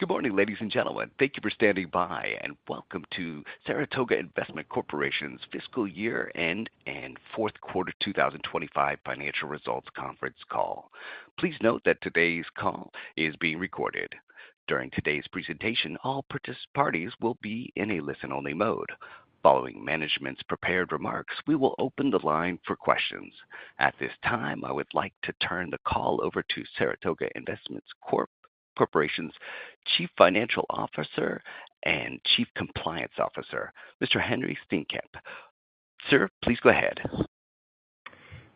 Good morning, ladies and gentlemen. Thank you for standing by, and welcome to Saratoga Investment Corporation's Fiscal Year End and Fourth Quarter 2025 Financial Results Conference call. Please note that today's call is being recorded. During today's presentation, all parties will be in a listen-only mode. Following management's prepared remarks, we will open the line for questions. At this time, I would like to turn the call over to Saratoga Investment Corporation's Chief Financial Officer and Chief Compliance Officer, Mr. Henri Steenkamp. Sir, please go ahead.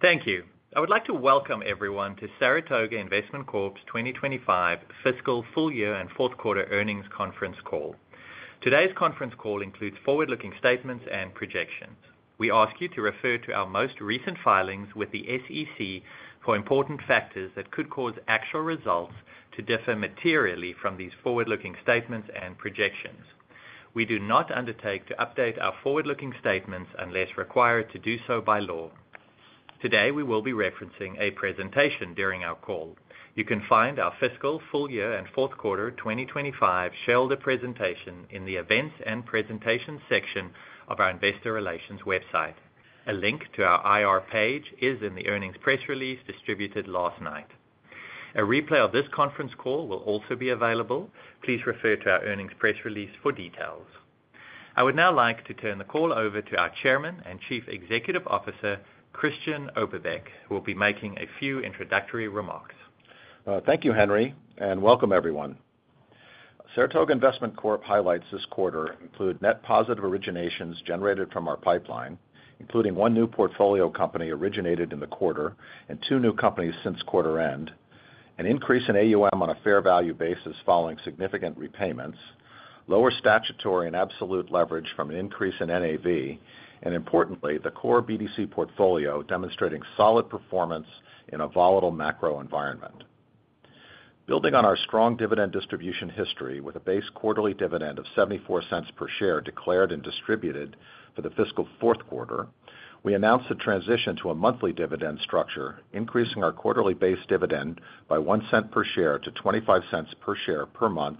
Thank you. I would like to welcome everyone to Saratoga Investment Corp's 2025 fiscal full year and fourth quarter earnings conference call. Today's conference call includes forward-looking statements and projections. We ask you to refer to our most recent filings with the SEC for important factors that could cause actual results to differ materially from these forward-looking statements and projections. We do not undertake to update our forward-looking statements unless required to do so by law. Today, we will be referencing a presentation during our call. You can find our fiscal full year and fourth quarter 2025 Shelter presentation in the Events and Presentations section of our Investor Relations website. A link to our IR page is in the earnings press release distributed last night. A replay of this conference call will also be available. Please refer to our earnings press release for details. I would now like to turn the call over to our Chairman and Chief Executive Officer, Christian Oberbeck, who will be making a few introductory remarks. Thank you, Henry, and welcome everyone. Saratoga Investment Corp highlights this quarter include net positive originations generated from our pipeline, including one new portfolio company originated in the quarter and two new companies since quarter end, an increase in AUM on a fair value basis following significant repayments, lower statutory and absolute leverage from an increase in NAV, and importantly, the core BDC portfolio demonstrating solid performance in a volatile macro environment. Building on our strong dividend distribution history with a base quarterly dividend of $0.74 per share declared and distributed for the fiscal fourth quarter, we announced the transition to a monthly dividend structure, increasing our quarterly base dividend by $0.01 per share to $0.25 per share per month,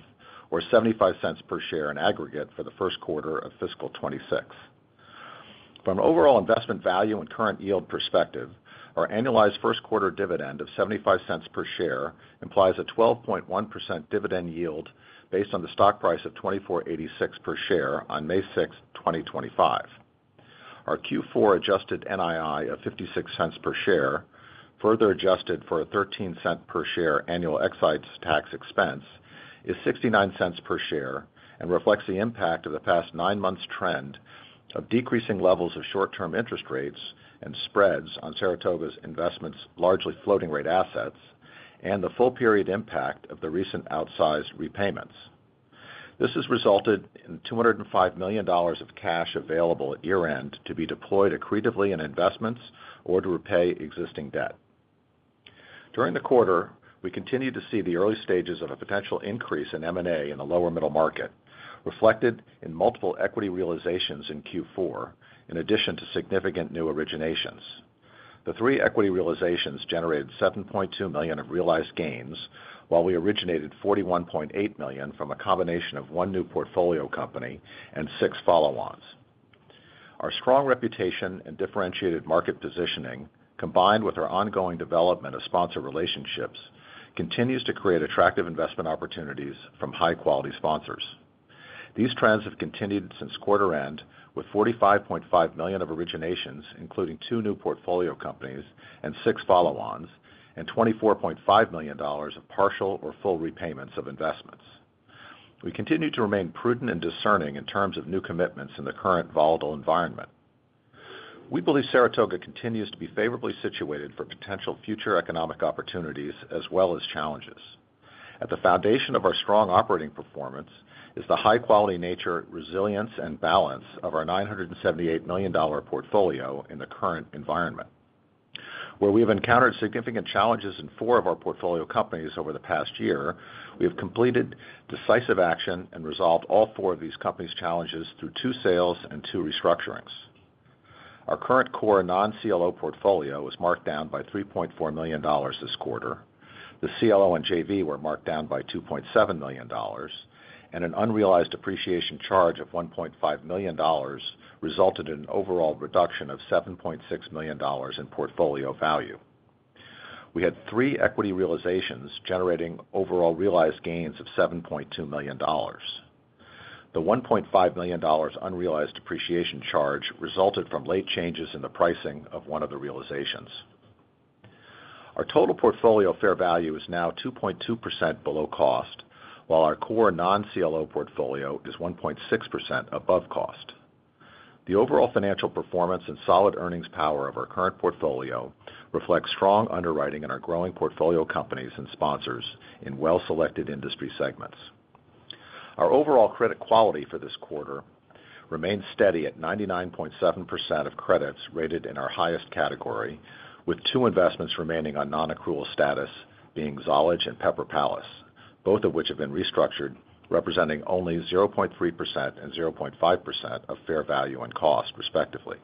or $0.75 per share in aggregate for the first quarter of fiscal 2026. From an overall investment value and current yield perspective, our annualized first quarter dividend of $0.75 per share implies a 12.1% dividend yield based on the stock price of $24.86 per share on May 6, 2025. Our Q4 adjusted NII of $0.56 per share, further adjusted for a $0.13 per share annual excise tax expense, is $0.69 per share and reflects the impact of the past nine months' trend of decreasing levels of short-term interest rates and spreads on Saratoga's investments, largely floating rate assets, and the full period impact of the recent outsized repayments. This has resulted in $205 million of cash available at year-end to be deployed accretively in investments or to repay existing debt. During the quarter, we continue to see the early stages of a potential increase in M&A in the lower middle market, reflected in multiple equity realizations in Q4, in addition to significant new originations. The three equity realizations generated $7.2 million of realized gains, while we originated $41.8 million from a combination of one new portfolio company and six follow-ons. Our strong reputation and differentiated market positioning, combined with our ongoing development of sponsor relationships, continues to create attractive investment opportunities from high-quality sponsors. These trends have continued since quarter end, with $45.5 million of originations, including two new portfolio companies and six follow-ons, and $24.5 million of partial or full repayments of investments. We continue to remain prudent and discerning in terms of new commitments in the current volatile environment. We believe Saratoga continues to be favorably situated for potential future economic opportunities as well as challenges. At the foundation of our strong operating performance is the high-quality nature, resilience, and balance of our $978 million portfolio in the current environment. Where we have encountered significant challenges in four of our portfolio companies over the past year, we have completed decisive action and resolved all four of these companies' challenges through two sales and two restructurings. Our current core non-CLO portfolio was marked down by $3.4 million this quarter. The CLO and JV were marked down by $2.7 million, and an unrealized depreciation charge of $1.5 million resulted in an overall reduction of $7.6 million in portfolio value. We had three equity realizations generating overall realized gains of $7.2 million. The $1.5 million unrealized depreciation charge resulted from late changes in the pricing of one of the realizations. Our total portfolio fair value is now 2.2% below cost, while our core non-CLO portfolio is 1.6% above cost. The overall financial performance and solid earnings power of our current portfolio reflects strong underwriting in our growing portfolio companies and sponsors in well-selected industry segments. Our overall credit quality for this quarter remains steady at 99.7% of credits rated in our highest category, with two investments remaining on non-accrual status being Zollege and Pepper Palace, both of which have been restructured, representing only 0.3% and 0.5% of fair value and cost, respectively.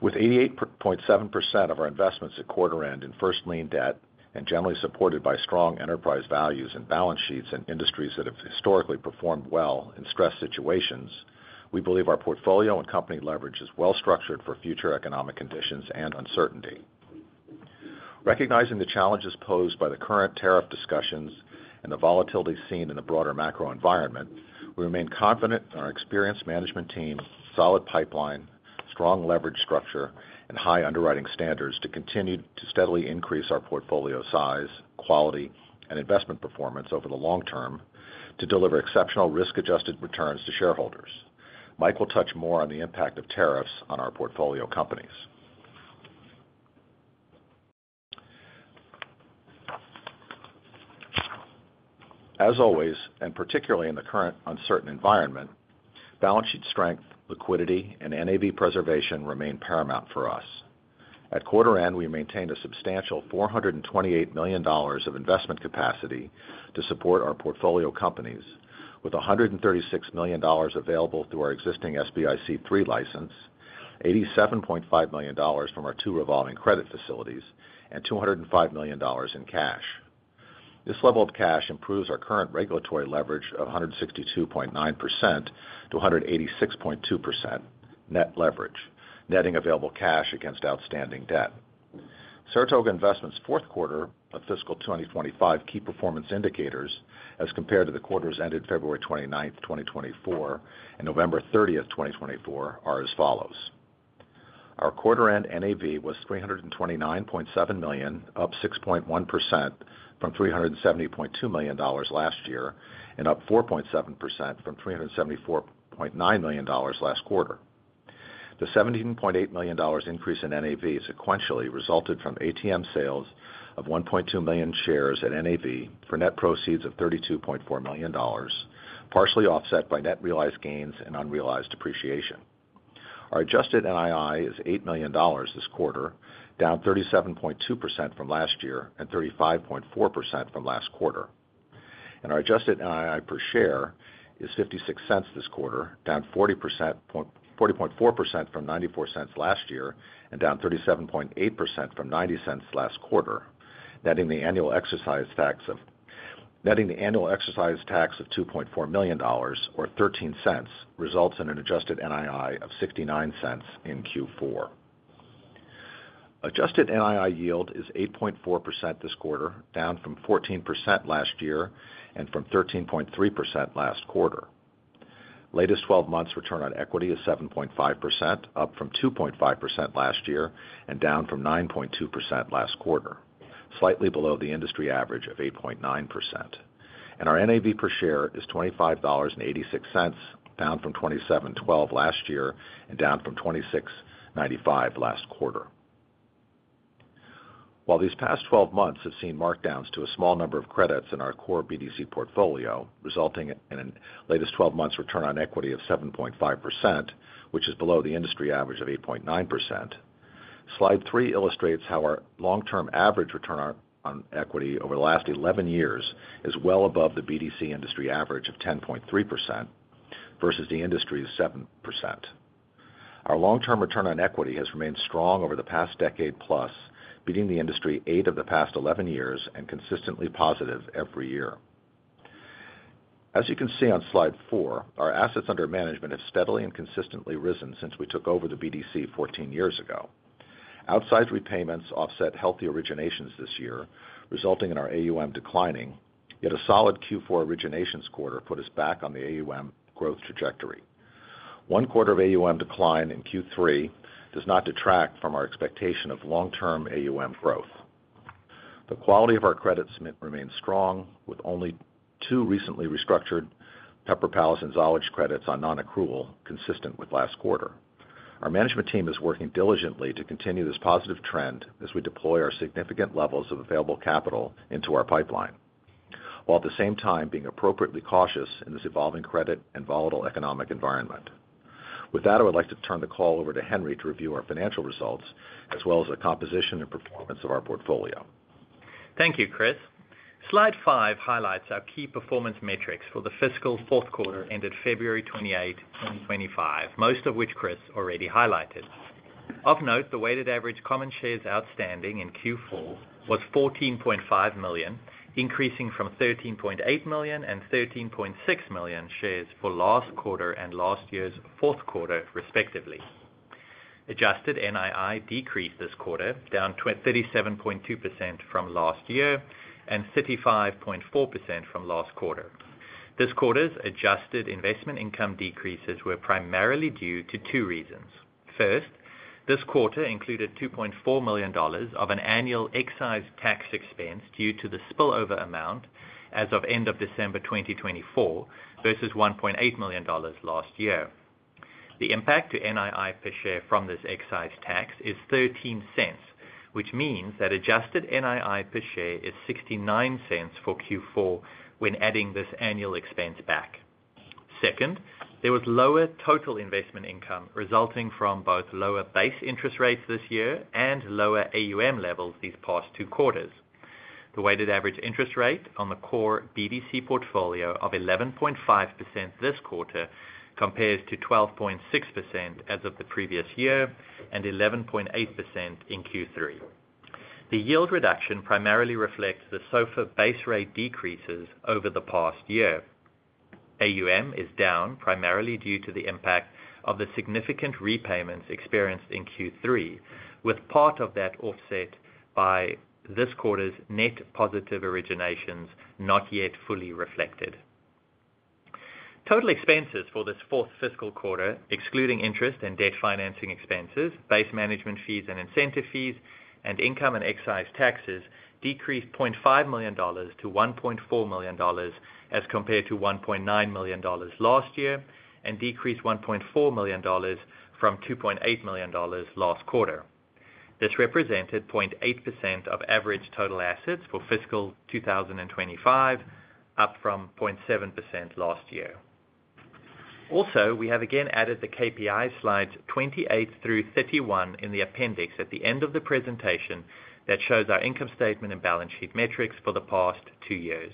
With 88.7% of our investments at quarter end in first lien debt and generally supported by strong enterprise values and balance sheets in industries that have historically performed well in stress situations, we believe our portfolio and company leverage is well-structured for future economic conditions and uncertainty. Recognizing the challenges posed by the current tariff discussions and the volatility seen in the broader macro environment, we remain confident in our experienced management team, solid pipeline, strong leverage structure, and high underwriting standards to continue to steadily increase our portfolio size, quality, and investment performance over the long term to deliver exceptional risk-adjusted returns to shareholders. Mike will touch more on the impact of tariffs on our portfolio companies. As always, and particularly in the current uncertain environment, balance sheet strength, liquidity, and NAV preservation remain paramount for us. At quarter end, we maintained a substantial $428 million of investment capacity to support our portfolio companies, with $136 million available through our existing SBIC III license, $87.5 million from our two revolving credit facilities, and $205 million in cash. This level of cash improves our current regulatory leverage of 162.9% to 186.2% net leverage, netting available cash against outstanding debt. Saratoga Investment's fourth quarter of fiscal 2025 key performance indicators, as compared to the quarters ended February 29, 2024, and November 30, 2024, are as follows. Our quarter-end NAV was $329.7 million, up 6.1% from $370.2 million last year and up 4.7% from $374.9 million last quarter. The $17.8 million increase in NAV sequentially resulted from ATM sales of $1.2 million shares at NAV for net proceeds of $32.4 million, partially offset by net realized gains and unrealized depreciation. Our adjusted NII is $8 million this quarter, down 37.2% from last year and 35.4% from last quarter. Our adjusted NII per share is $0.56 this quarter, down 40.4% from $0.94 last year and down 37.8% from $0.90 last quarter. Netting the annual excise tax of $2.4 million, or $0.13, results in an adjusted NII of $0.69 in Q4. Adjusted NII yield is 8.4% this quarter, down from 14% last year and from 13.3% last quarter. Latest 12 months' return on equity is 7.5%, up from 2.5% last year and down from 9.2% last quarter, slightly below the industry average of 8.9%. Our NAV per share is $25.86, down from $27.12 last year and down from $26.95 last quarter. While these past 12 months have seen markdowns to a small number of credits in our core BDC portfolio, resulting in a latest 12 months' return on equity of 7.5%, which is below the industry average of 8.9%, Slide 3 illustrates how our long-term average return on equity over the last 11 years is well above the BDC industry average of 10.3% versus the industry's 7%. Our long-term return on equity has remained strong over the past decade plus, beating the industry eight of the past 11 years and consistently positive every year. As you can see on Slide four, our assets under management have steadily and consistently risen since we took over the BDC 14 years ago. Outsized repayments offset healthy originations this year, resulting in our AUM declining, yet a solid Q4 originations quarter put us back on the AUM growth trajectory. One quarter of AUM decline in Q3 does not detract from our expectation of long-term AUM growth. The quality of our credits remains strong, with only two recently restructured Pepper Palace and Zollege credits on non-accrual, consistent with last quarter. Our management team is working diligently to continue this positive trend as we deploy our significant levels of available capital into our pipeline, while at the same time being appropriately cautious in this evolving credit and volatile economic environment. With that, I would like to turn the call over to Henry to review our financial results as well as the composition and performance of our portfolio. Thank you, Chris. Slide five highlights our key performance metrics for the fiscal fourth quarter ended February 28, 2025, most of which Chris already highlighted. Of note, the weighted average common shares outstanding in Q4 was 14.5 million, increasing from 13.8 million and 13.6 million shares for last quarter and last year's fourth quarter, respectively. Adjusted NII decreased this quarter, down 37.2% from last year and 35.4% from last quarter. This quarter's adjusted investment income decreases were primarily due to two reasons. First, this quarter included $2.4 million of an annual excise tax expense due to the spillover amount as of end of December 2024 versus $1.8 million last year. The impact to NII per share from this excise tax is $0.13, which means that adjusted NII per share is $0.69 for Q4 when adding this annual expense back. Second, there was lower total investment income resulting from both lower base interest rates this year and lower AUM levels these past two quarters. The weighted average interest rate on the core BDC portfolio of 11.5% this quarter compares to 12.6% as of the previous year and 11.8% in Q3. The yield reduction primarily reflects the SAR base rate decreases over the past year. AUM is down primarily due to the impact of the significant repayments experienced in Q3, with part of that offset by this quarter's net positive originations not yet fully reflected. Total expenses for this fourth fiscal quarter, excluding interest and debt financing expenses, base management fees and incentive fees, and income and excise taxes, decreased $0.5 million to $1.4 million as compared to $1.9 million last year and decreased $1.4 million from $2.8 million last quarter. This represented 0.8% of average total assets for fiscal 2025, up from 0.7% last year. Also, we have again added the KPIs Slides 28 through 31 in the appendix at the end of the presentation that shows our income statement and balance sheet metrics for the past two years.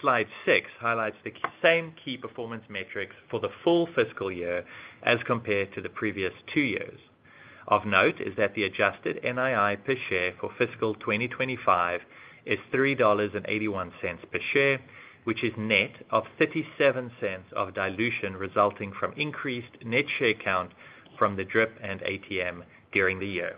Slide six highlights the same key performance metrics for the full fiscal year as compared to the previous two years. Of note is that the adjusted NII per share for fiscal 2025 is $3.81 per share, which is net of $0.37 of dilution resulting from increased net share count from the DRIP and ATM during the year.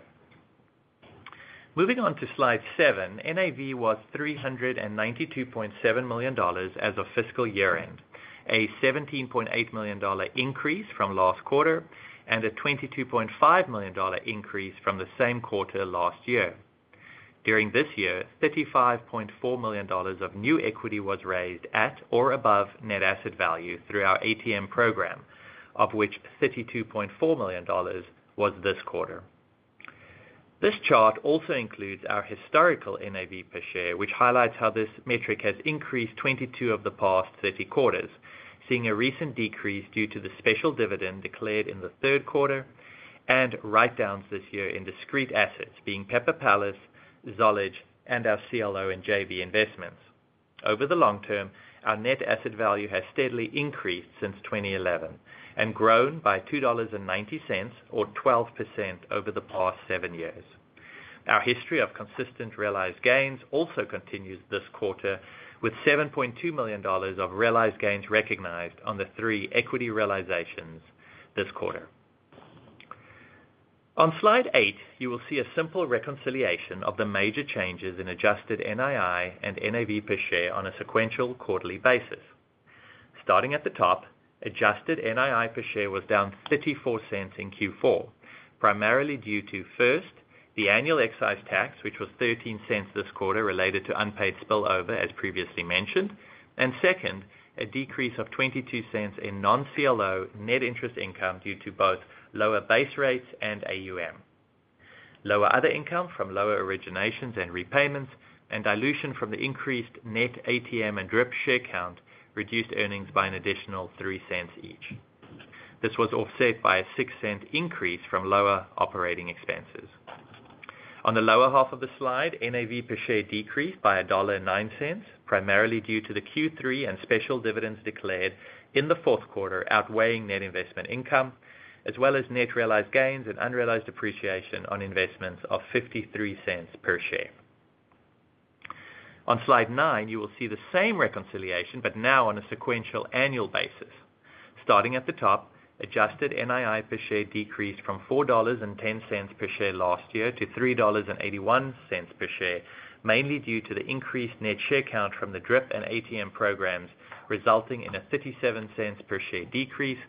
Moving on to Slide seven, NAV was $392.7 million as of fiscal year-end, a $17.8 million increase from last quarter and a $22.5 million increase from the same quarter last year. During this year, $35.4 million of new equity was raised at or above net asset value through our ATM program, of which $32.4 million was this quarter. This chart also includes our historical NAV per share, which highlights how this metric has increased 22 of the past three quarters, seeing a recent decrease due to the special dividend declared in the third quarter and write-downs this year in discrete assets being Pepper Palace, Zollege, and our CLO and JV investments. Over the long term, our net asset value has steadily increased since 2011 and grown by $2.90, or 12% over the past seven years. Our history of consistent realized gains also continues this quarter, with $7.2 million of realized gains recognized on the three equity realizations this quarter. On Slide eight, you will see a simple reconciliation of the major changes in adjusted NII and NAV per share on a sequential quarterly basis. Starting at the top, adjusted NII per share was down $0.34 in Q4, primarily due to, first, the annual excise tax, which was $0.13 this quarter related to unpaid spillover, as previously mentioned, and second, a decrease of $0.22 in non-CLO net interest income due to both lower base rates and AUM. Lower other income from lower originations and repayments and dilution from the increased net ATM and DRIP share count reduced earnings by an additional $0.03 each. This was offset by a $0.06 increase from lower operating expenses. On the lower half of the slide, NAV per share decreased by $1.09, primarily due to the Q3 and special dividends declared in the fourth quarter outweighing net investment income, as well as net realized gains and unrealized depreciation on investments of $0.53 per share. On Slide nine, you will see the same reconciliation, but now on a sequential annual basis. Starting at the top, adjusted NII per share decreased from $4.10 per share last year to $3.81 per share, mainly due to the increased net share count from the DRIP and ATM programs, resulting in a $0.37 per share decrease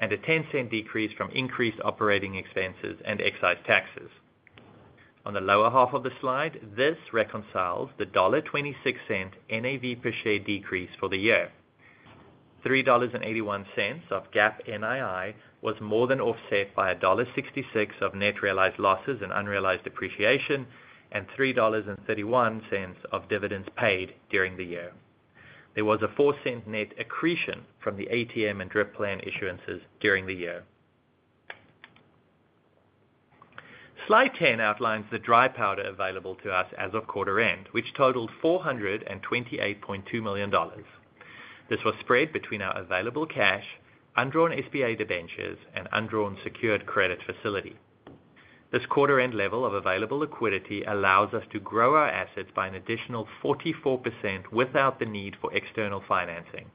and a $0.10 decrease from increased operating expenses and excise taxes. On the lower half of the slide, this reconciles the $1.26 NAV per share decrease for the year. $3.81 of GAAP NII was more than offset by $1.66 of net realized losses and unrealized depreciation and $3.31 of dividends paid during the year. There was a $0.04 net accretion from the ATM and DRIP plan issuances during the year. Slide 10 outlines the dry powder available to us as of quarter end, which totaled $428.2 million. This was spread between our available cash, undrawn SBA debentures, and undrawn secured credit facility. This quarter-end level of available liquidity allows us to grow our assets by an additional 44% without the need for external financing,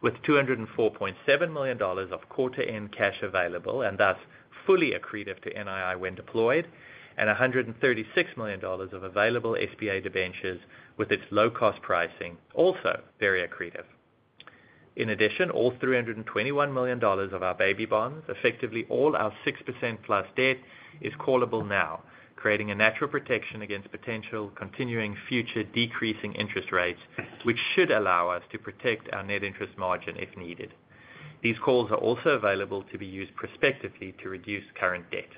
with $204.7 million of quarter-end cash available and thus fully accretive to NII when deployed, and $136 million of available SBA debentures with its low-cost pricing also very accretive. In addition, all $321 million of our baby bonds, effectively all our 6% plus debt, is callable now, creating a natural protection against potential continuing future decreasing interest rates, which should allow us to protect our net interest margin if needed. These calls are also available to be used prospectively to reduce current debt.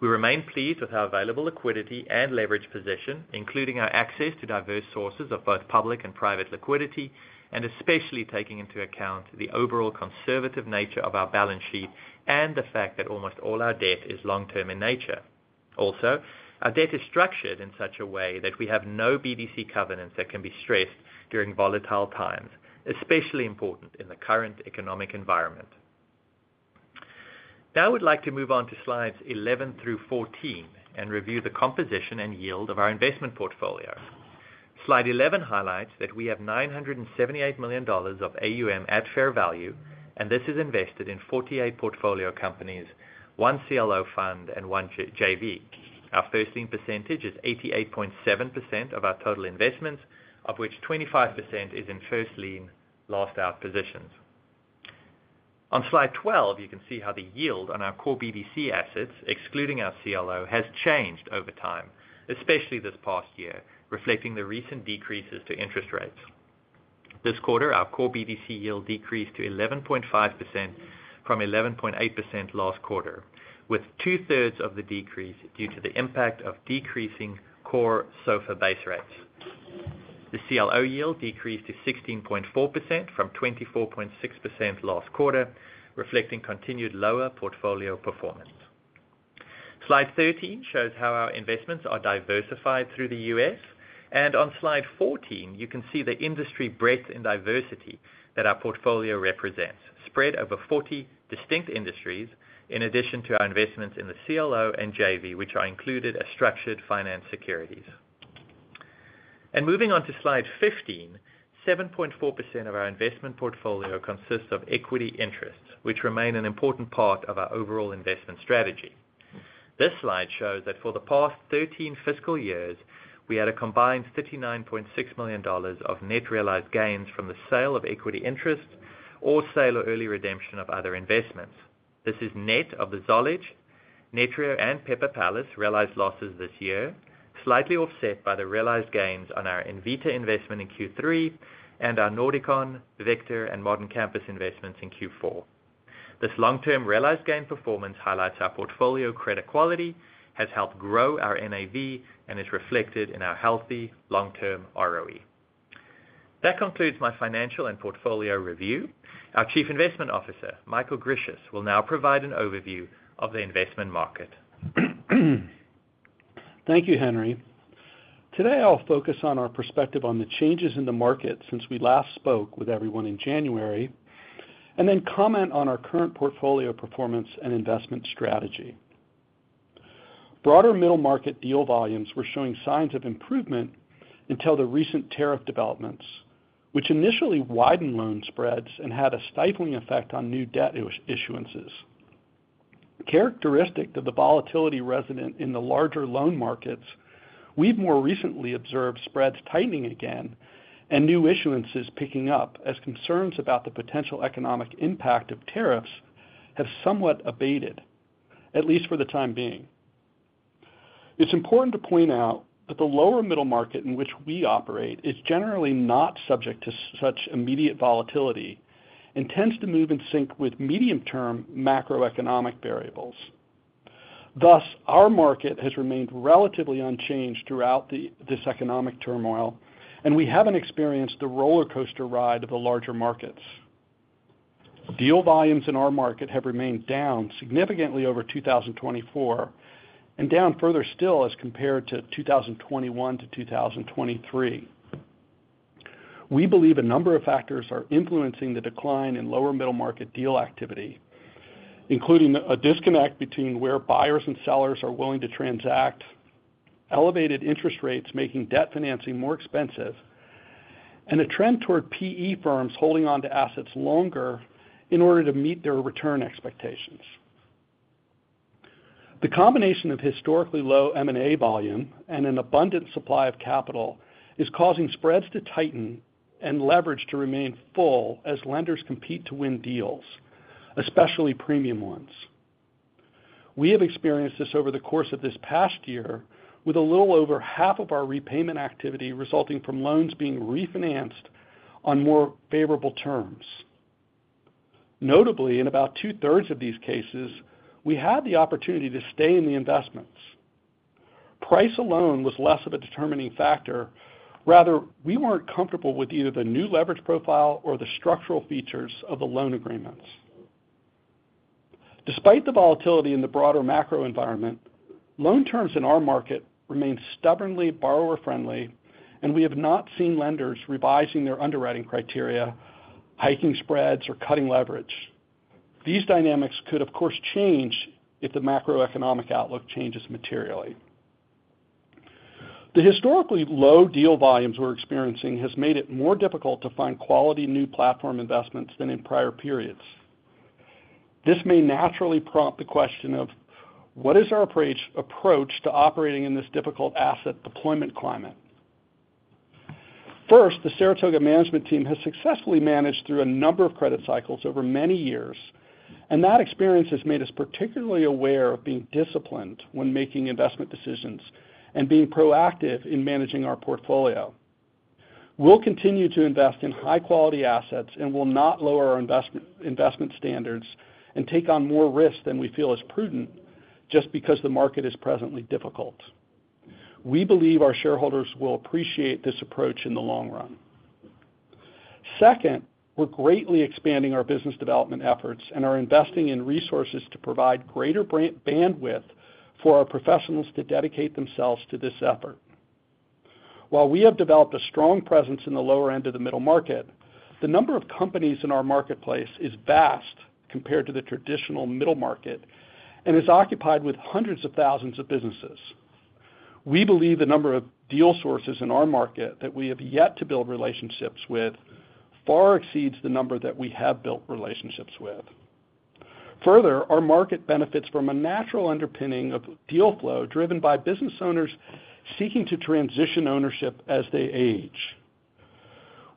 We remain pleased with our available liquidity and leverage position, including our access to diverse sources of both public and private liquidity, and especially taking into account the overall conservative nature of our balance sheet and the fact that almost all our debt is long-term in nature. Also, our debt is structured in such a way that we have no BDC covenants that can be stressed during volatile times, especially important in the current economic environment. Now I would like to move on to Slides 11 through 14 and review the composition and yield of our investment portfolio. Slide 11 highlights that we have $978 million of AUM at fair value, and this is invested in 48 portfolio companies, one CLO fund, and one JV. Our first-lien percentage is 88.7% of our total investments, of which 25% is in first-lien last-out positions. On Slide 12, you can see how the yield on our core BDC assets, excluding our CLO, has changed over time, especially this past year, reflecting the recent decreases to interest rates. This quarter, our core BDC yield decreased to 11.5% from 11.8% last quarter, with two-thirds of the decrease due to the impact of decreasing core SAR base rates. The CLO yield decreased to 16.4% from 24.6% last quarter, reflecting continued lower portfolio performance. Slide 13 shows how our investments are diversified through the U.S., and on Slide 14, you can see the industry breadth and diversity that our portfolio represents, spread over 40 distinct industries, in addition to our investments in the CLO and JV, which are included as structured finance securities. Moving on to Slide 15, 7.4% of our investment portfolio consists of equity interests, which remain an important part of our overall investment strategy. This slide shows that for the past 13 fiscal years, we had a combined $39.6 million of net realized gains from the sale of equity interest or sale or early redemption of other investments. This is net of the Zollege, Netreo, and Pepper Palace realized losses this year, slightly offset by the realized gains on our InVita investment in Q3 and our Nauticon, Vector, and Modern Campus investments in Q4. This long-term realized gain performance highlights our portfolio credit quality, has helped grow our NAV, and is reflected in our healthy long-term ROE. That concludes my financial and portfolio review. Our Chief Investment Officer, Michael Grisius, will now provide an overview of the investment market. Thank you, Henry. Today, I'll focus on our perspective on the changes in the market since we last spoke with everyone in January, and then comment on our current portfolio performance and investment strategy. Broader middle market deal volumes were showing signs of improvement until the recent tariff developments, which initially widened loan spreads and had a stifling effect on new debt issuances. Characteristic to the volatility resident in the larger loan markets, we've more recently observed spreads tightening again and new issuances picking up as concerns about the potential economic impact of tariffs have somewhat abated, at least for the time being. It's important to point out that the lower middle market in which we operate is generally not subject to such immediate volatility and tends to move in sync with medium-term macroeconomic variables. Thus, our market has remained relatively unchanged throughout this economic turmoil, and we haven't experienced the roller coaster ride of the larger markets. Deal volumes in our market have remained down significantly over 2024 and down further still as compared to 2021 to 2023. We believe a number of factors are influencing the decline in lower middle market deal activity, including a disconnect between where buyers and sellers are willing to transact, elevated interest rates making debt financing more expensive, and a trend toward PE firms holding on to assets longer in order to meet their return expectations. The combination of historically low M&A volume and an abundant supply of capital is causing spreads to tighten and leverage to remain full as lenders compete to win deals, especially premium ones. We have experienced this over the course of this past year, with a little over half of our repayment activity resulting from loans being refinanced on more favorable terms. Notably, in about two-thirds of these cases, we had the opportunity to stay in the investments. Price alone was less of a determining factor; rather, we were not comfortable with either the new leverage profile or the structural features of the loan agreements. Despite the volatility in the broader macro environment, loan terms in our market remain stubbornly borrower-friendly, and we have not seen lenders revising their underwriting criteria, hiking spreads, or cutting leverage. These dynamics could, of course, change if the macroeconomic outlook changes materially. The historically low deal volumes we are experiencing have made it more difficult to find quality new platform investments than in prior periods. This may naturally prompt the question of, what is our approach to operating in this difficult asset deployment climate? First, the Saratoga Management Team has successfully managed through a number of credit cycles over many years, and that experience has made us particularly aware of being disciplined when making investment decisions and being proactive in managing our portfolio. We will continue to invest in high-quality assets and will not lower our investment standards and take on more risk than we feel is prudent just because the market is presently difficult. We believe our shareholders will appreciate this approach in the long run. Second, we are greatly expanding our business development efforts and are investing in resources to provide greater bandwidth for our professionals to dedicate themselves to this effort. While we have developed a strong presence in the lower end of the middle market, the number of companies in our marketplace is vast compared to the traditional middle market and is occupied with hundreds of thousands of businesses. We believe the number of deal sources in our market that we have yet to build relationships with far exceeds the number that we have built relationships with. Further, our market benefits from a natural underpinning of deal flow driven by business owners seeking to transition ownership as they age.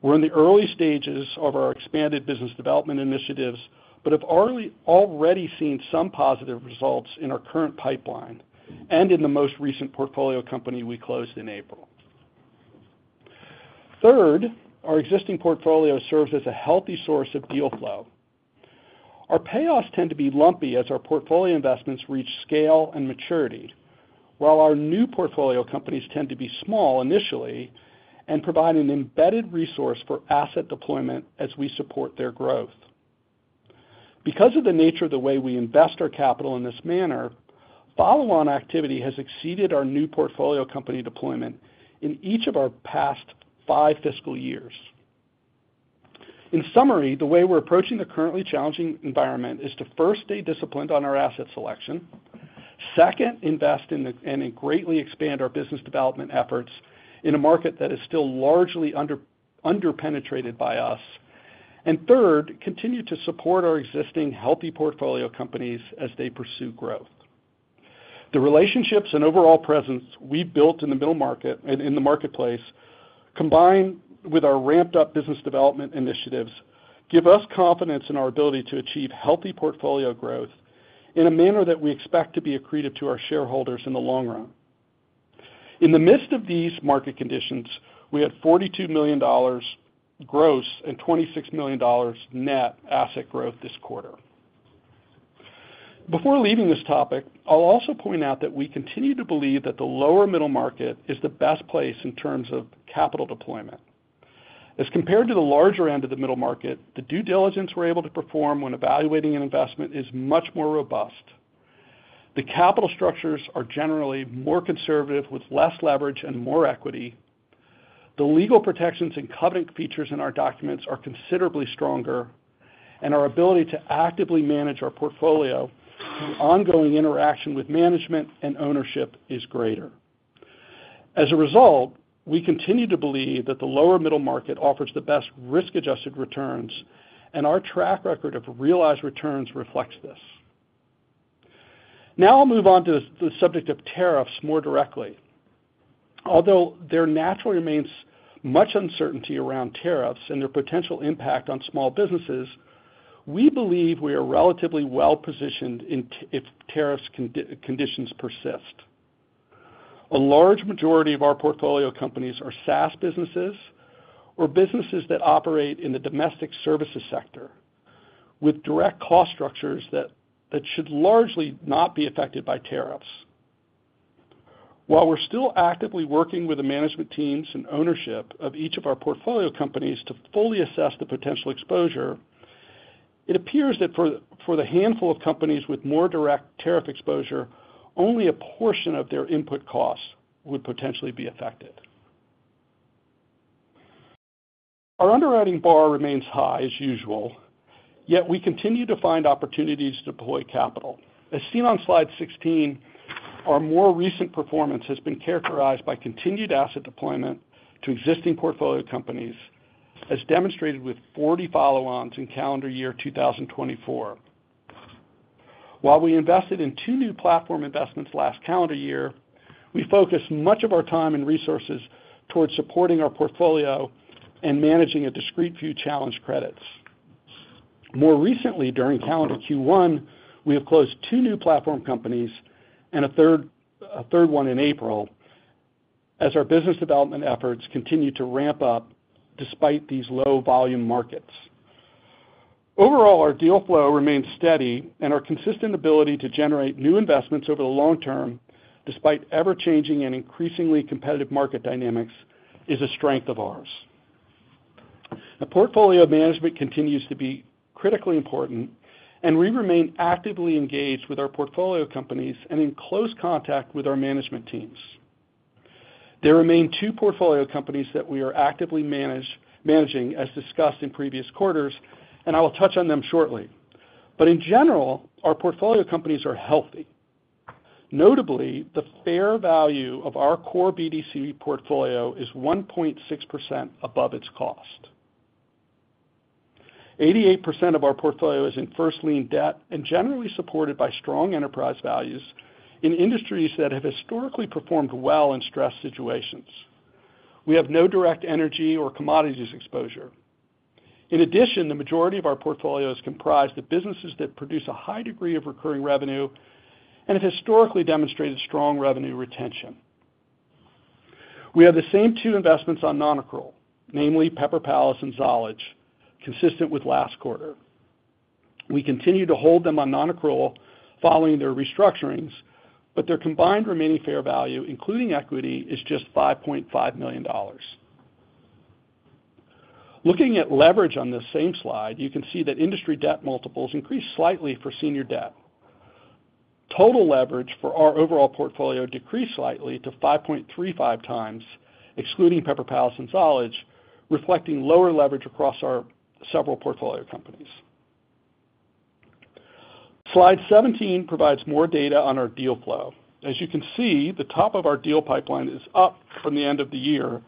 We're in the early stages of our expanded business development initiatives, but have already seen some positive results in our current pipeline and in the most recent portfolio company we closed in April. Third, our existing portfolio serves as a healthy source of deal flow. Our payoffs tend to be lumpy as our portfolio investments reach scale and maturity, while our new portfolio companies tend to be small initially and provide an embedded resource for asset deployment as we support their growth. Because of the nature of the way we invest our capital in this manner, follow-on activity has exceeded our new portfolio company deployment in each of our past five fiscal years. In summary, the way we're approaching the currently challenging environment is to, first, stay disciplined on our asset selection, second, invest in and greatly expand our business development efforts in a market that is still largely underpenetrated by us, and third, continue to support our existing healthy portfolio companies as they pursue growth. The relationships and overall presence we've built in the middle market and in the marketplace, combined with our ramped-up business development initiatives, give us confidence in our ability to achieve healthy portfolio growth in a manner that we expect to be accretive to our shareholders in the long run. In the midst of these market conditions, we had $42 million gross and $26 million net asset growth this quarter. Before leaving this topic, I'll also point out that we continue to believe that the lower middle market is the best place in terms of capital deployment. As compared to the larger end of the middle market, the due diligence we're able to perform when evaluating an investment is much more robust. The capital structures are generally more conservative with less leverage and more equity. The legal protections and covenant features in our documents are considerably stronger, and our ability to actively manage our portfolio through ongoing interaction with management and ownership is greater. As a result, we continue to believe that the lower middle market offers the best risk-adjusted returns, and our track record of realized returns reflects this. Now I'll move on to the subject of tariffs more directly. Although there naturally remains much uncertainty around tariffs and their potential impact on small businesses, we believe we are relatively well-positioned if tariff conditions persist. A large majority of our portfolio companies are SaaS businesses or businesses that operate in the domestic services sector, with direct cost structures that should largely not be affected by tariffs. While we're still actively working with the management teams and ownership of each of our portfolio companies to fully assess the potential exposure, it appears that for the handful of companies with more direct tariff exposure, only a portion of their input costs would potentially be affected. Our underwriting bar remains high as usual, yet we continue to find opportunities to deploy capital. As seen on Slide 16, our more recent performance has been characterized by continued asset deployment to existing portfolio companies, as demonstrated with 40 follow-ons in calendar year 2024. While we invested in two new platform investments last calendar year, we focused much of our time and resources towards supporting our portfolio and managing a discreet few challenge credits. More recently, during calendar Q1, we have closed two new platform companies and a third one in April, as our business development efforts continue to ramp up despite these low-volume markets. Overall, our deal flow remains steady, and our consistent ability to generate new investments over the long term, despite ever-changing and increasingly competitive market dynamics, is a strength of ours. The portfolio management continues to be critically important, and we remain actively engaged with our portfolio companies and in close contact with our management teams. There remain two portfolio companies that we are actively managing, as discussed in previous quarters, and I will touch on them shortly. In general, our portfolio companies are healthy. Notably, the fair value of our core BDC portfolio is 1.6% above its cost. 88% of our portfolio is in first-lien debt and generally supported by strong enterprise values in industries that have historically performed well in stress situations. We have no direct energy or commodities exposure. In addition, the majority of our portfolio is comprised of businesses that produce a high degree of recurring revenue and have historically demonstrated strong revenue retention. We have the same two investments on non-accrual, namely Pepper Palace and Zollege, consistent with last quarter. We continue to hold them on non-accrual following their restructurings, but their combined remaining fair value, including equity, is just $5.5 million. Looking at leverage on this same slide, you can see that industry debt multiples increased slightly for senior debt. Total leverage for our overall portfolio decreased slightly to 5.35 times, excluding Pepper Palace and Zollege, reflecting lower leverage across our several portfolio companies. Slide 17 provides more data on our deal flow. As you can see, the top of our deal pipeline is up from the end of the year,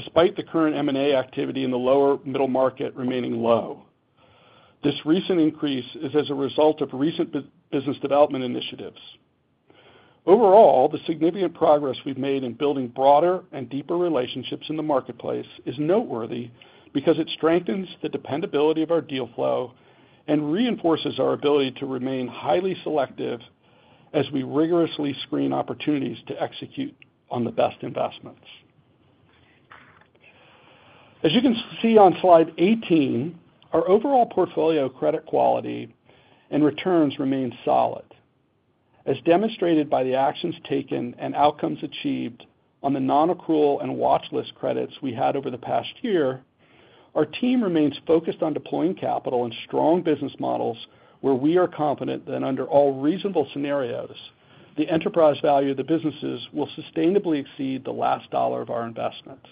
despite the current M&A activity in the lower middle market remaining low. This recent increase is as a result of recent business development initiatives. Overall, the significant progress we've made in building broader and deeper relationships in the marketplace is noteworthy because it strengthens the dependability of our deal flow and reinforces our ability to remain highly selective as we rigorously screen opportunities to execute on the best investments. As you can see on Slide 18, our overall portfolio credit quality and returns remain solid. As demonstrated by the actions taken and outcomes achieved on the non-accrual and watchlist credits we had over the past year, our team remains focused on deploying capital in strong business models where we are confident that under all reasonable scenarios, the enterprise value of the businesses will sustainably exceed the last dollar of our investments.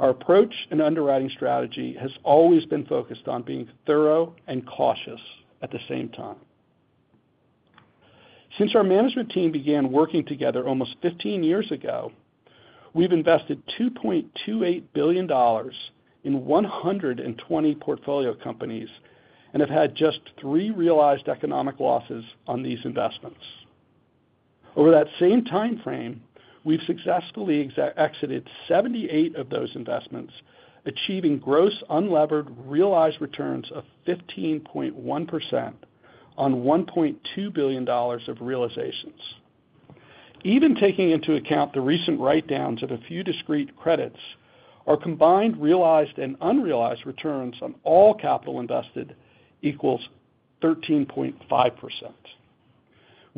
Our approach and underwriting strategy has always been focused on being thorough and cautious at the same time. Since our management team began working together almost 15 years ago, we've invested $2.28 billion in 120 portfolio companies and have had just three realized economic losses on these investments. Over that same timeframe, we've successfully exited 78 of those investments, achieving gross unlevered realized returns of 15.1% on $1.2 billion of realizations. Even taking into account the recent write-downs of a few discreet credits, our combined realized and unrealized returns on all capital invested equals 13.5%.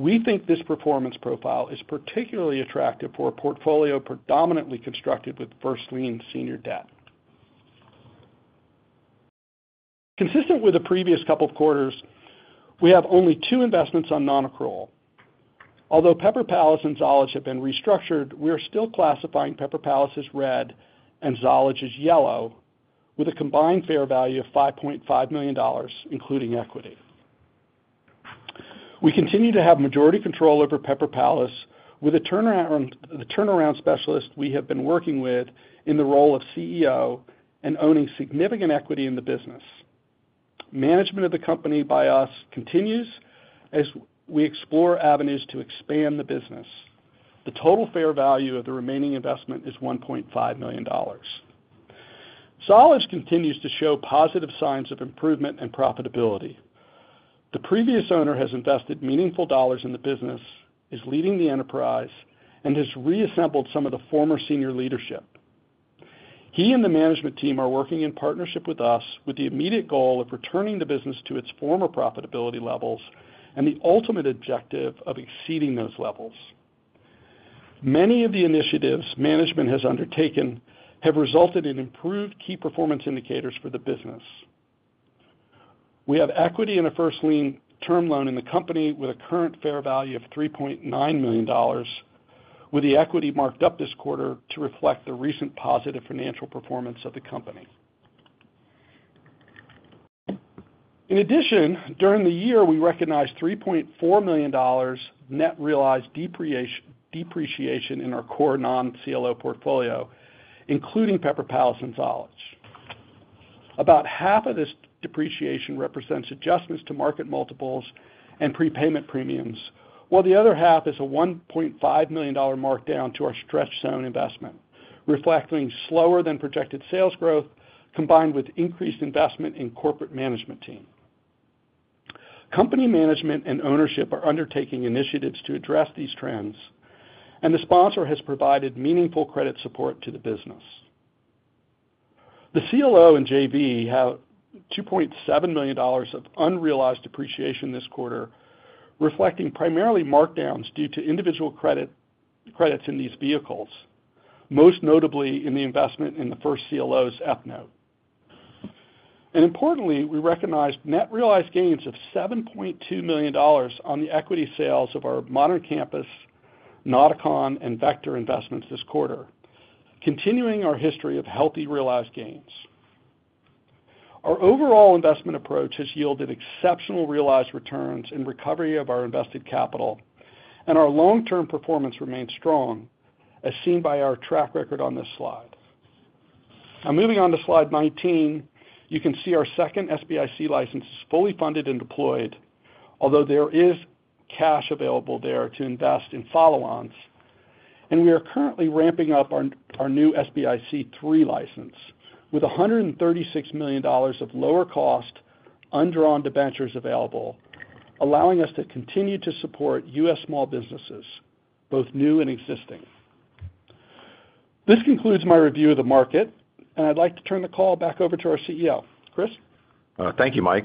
We think this performance profile is particularly attractive for a portfolio predominantly constructed with first-lien senior debt. Consistent with the previous couple of quarters, we have only two investments on non-accrual. Although Pepper Palace and Zollege have been restructured, we are still classifying Pepper Palace as red and Zollege as yellow, with a combined fair value of $5.5 million, including equity. We continue to have majority control over Pepper Palace, with the turnaround specialist we have been working with in the role of CEO and owning significant equity in the business. Management of the company by us continues as we explore avenues to expand the business. The total fair value of the remaining investment is $1.5 million. Zollege continues to show positive signs of improvement and profitability. The previous owner has invested meaningful dollars in the business, is leading the enterprise, and has reassembled some of the former senior leadership. He and the management team are working in partnership with us with the immediate goal of returning the business to its former profitability levels and the ultimate objective of exceeding those levels. Many of the initiatives management has undertaken have resulted in improved key performance indicators for the business. We have equity in a first-line term loan in the company with a current fair value of $3.9 million, with the equity marked up this quarter to reflect the recent positive financial performance of the company. In addition, during the year, we recognized $3.4 million net realized depreciation in our core non-CLO portfolio, including Pepper Palace and Zollege. About half of this depreciation represents adjustments to market multiples and prepayment premiums, while the other half is a $1.5 million markdown to our Stretch Zone investment, reflecting slower-than-projected sales growth combined with increased investment in corporate management team. Company management and ownership are undertaking initiatives to address these trends, and the sponsor has provided meaningful credit support to the business. The CLO and JV have $2.7 million of unrealized depreciation this quarter, reflecting primarily markdowns due to individual credits in these vehicles, most notably in the investment in the first CLO's F-note. Importantly, we recognized net realized gains of $7.2 million on the equity sales of our Modern Campus, Nauticon, and Vector investments this quarter, continuing our history of healthy realized gains. Our overall investment approach has yielded exceptional realized returns in recovery of our invested capital, and our long-term performance remains strong, as seen by our track record on this slide. Now, moving on to Slide 19, you can see our second SBIC license is fully funded and deployed, although there is cash available there to invest in follow-ons, and we are currently ramping up our new SBIC III license with $136 million of lower-cost, undrawn debentures available, allowing us to continue to support U.S. small businesses, both new and existing. This concludes my review of the market, and I'd like to turn the call back over to our CEO, Chris. Thank you, Mike.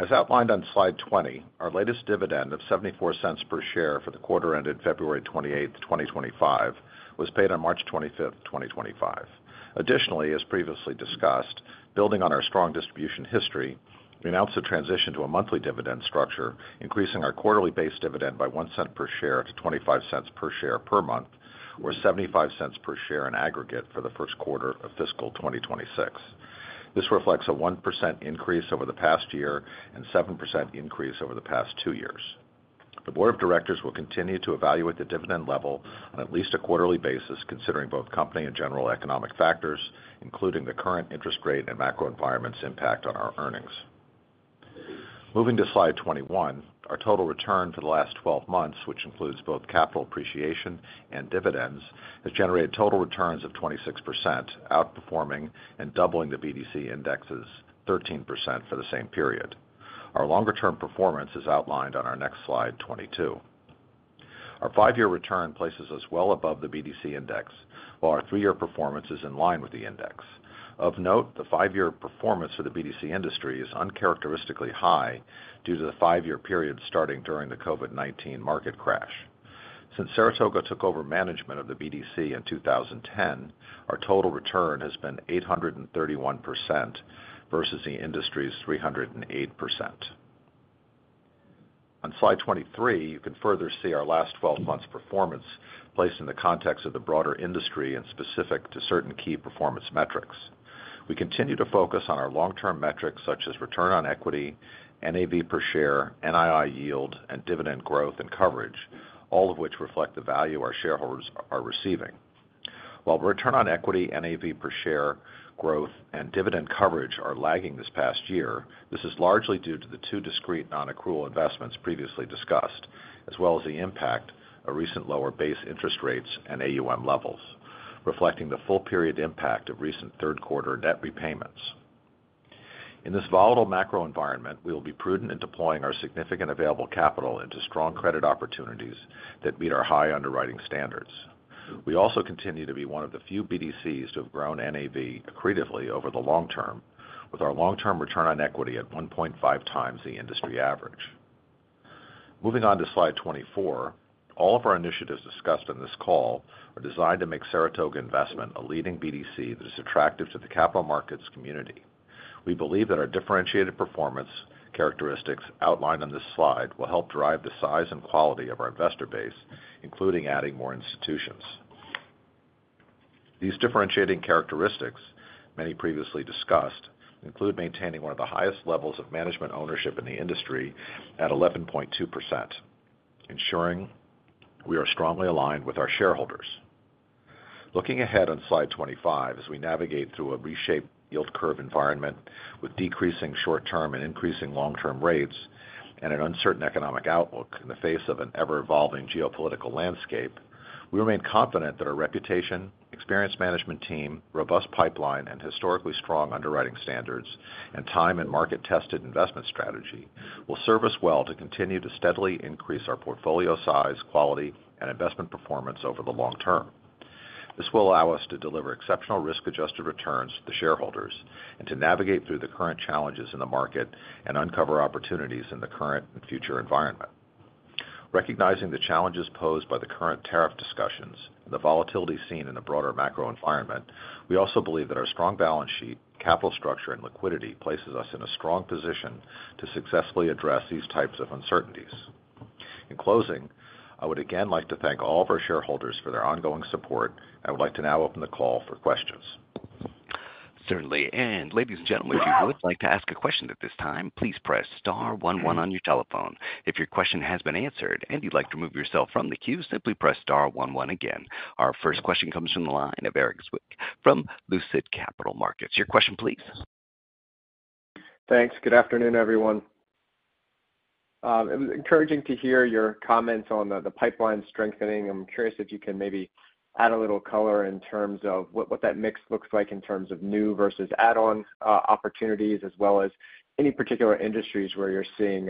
As outlined on Slide 20, our latest dividend of $0.74 per share for the quarter ended February 28, 2025, was paid on March 25, 2025. Additionally, as previously discussed, building on our strong distribution history, we announced a transition to a monthly dividend structure, increasing our quarterly-based dividend by $0.01 per share to $0.25 per share per month, or $0.75 per share in aggregate for the first quarter of fiscal 2026. This reflects a 1% increase over the past year and a 7% increase over the past two years. The board of directors will continue to evaluate the dividend level on at least a quarterly basis, considering both company and general economic factors, including the current interest rate and macro environment's impact on our earnings. Moving to Slide 21, our total return for the last 12 months, which includes both capital appreciation and dividends, has generated total returns of 26%, outperforming and doubling the BDC index's 13% for the same period. Our longer-term performance is outlined on our next Slide 22. Our five-year return places us well above the BDC index, while our three-year performance is in line with the index. Of note, the five-year performance for the BDC industry is uncharacteristically high due to the five-year period starting during the COVID-19 market crash. Since Saratoga took over management of the BDC in 2010, our total return has been 831% versus the industry's 308%. On Slide 23, you can further see our last 12 months' performance placed in the context of the broader industry and specific to certain key performance metrics. We continue to focus on our long-term metrics such as return on equity, NAV per share, NII yield, and dividend growth and coverage, all of which reflect the value our shareholders are receiving. While return on equity, NAV per share growth, and dividend coverage are lagging this past year, this is largely due to the two discreet non-accrual investments previously discussed, as well as the impact of recent lower base interest rates and AUM levels, reflecting the full-period impact of recent third-quarter net repayments. In this volatile macro environment, we will be prudent in deploying our significant available capital into strong credit opportunities that meet our high underwriting standards. We also continue to be one of the few BDCs to have grown NAV accretively over the long term, with our long-term return on equity at 1.5 times the industry average. Moving on to Slide 24, all of our initiatives discussed in this call are designed to make Saratoga Investment a leading BDC that is attractive to the capital markets community. We believe that our differentiated performance characteristics outlined on this slide will help drive the size and quality of our investor base, including adding more institutions. These differentiating characteristics, many previously discussed, include maintaining one of the highest levels of management ownership in the industry at 11.2%, ensuring we are strongly aligned with our shareholders. Looking ahead on Slide 25, as we navigate through a reshaped yield curve environment with decreasing short-term and increasing long-term rates and an uncertain economic outlook in the face of an ever-evolving geopolitical landscape, we remain confident that our reputation, experienced management team, robust pipeline, and historically strong underwriting standards and time and market-tested investment strategy will serve us well to continue to steadily increase our portfolio size, quality, and investment performance over the long term. This will allow us to deliver exceptional risk-adjusted returns to the shareholders and to navigate through the current challenges in the market and uncover opportunities in the current and future environment. Recognizing the challenges posed by the current tariff discussions and the volatility seen in the broader macro environment, we also believe that our strong balance sheet, capital structure, and liquidity places us in a strong position to successfully address these types of uncertainties. In closing, I would again like to thank all of our shareholders for their ongoing support, and I would like to now open the call for questions. Certainly. Ladies and gentlemen, if you would like to ask a question at this time, please press star 11 on your telephone. If your question has been answered and you'd like to remove yourself from the queue, simply press star 11 again. Our first question comes from the line of Erik Zwick from Lucid Capital Markets. Your question, please. Thanks. Good afternoon, everyone. It was encouraging to hear your comments on the pipeline strengthening. I'm curious if you can maybe add a little color in terms of what that mix looks like in terms of new versus add-on opportunities, as well as any particular industries where you're seeing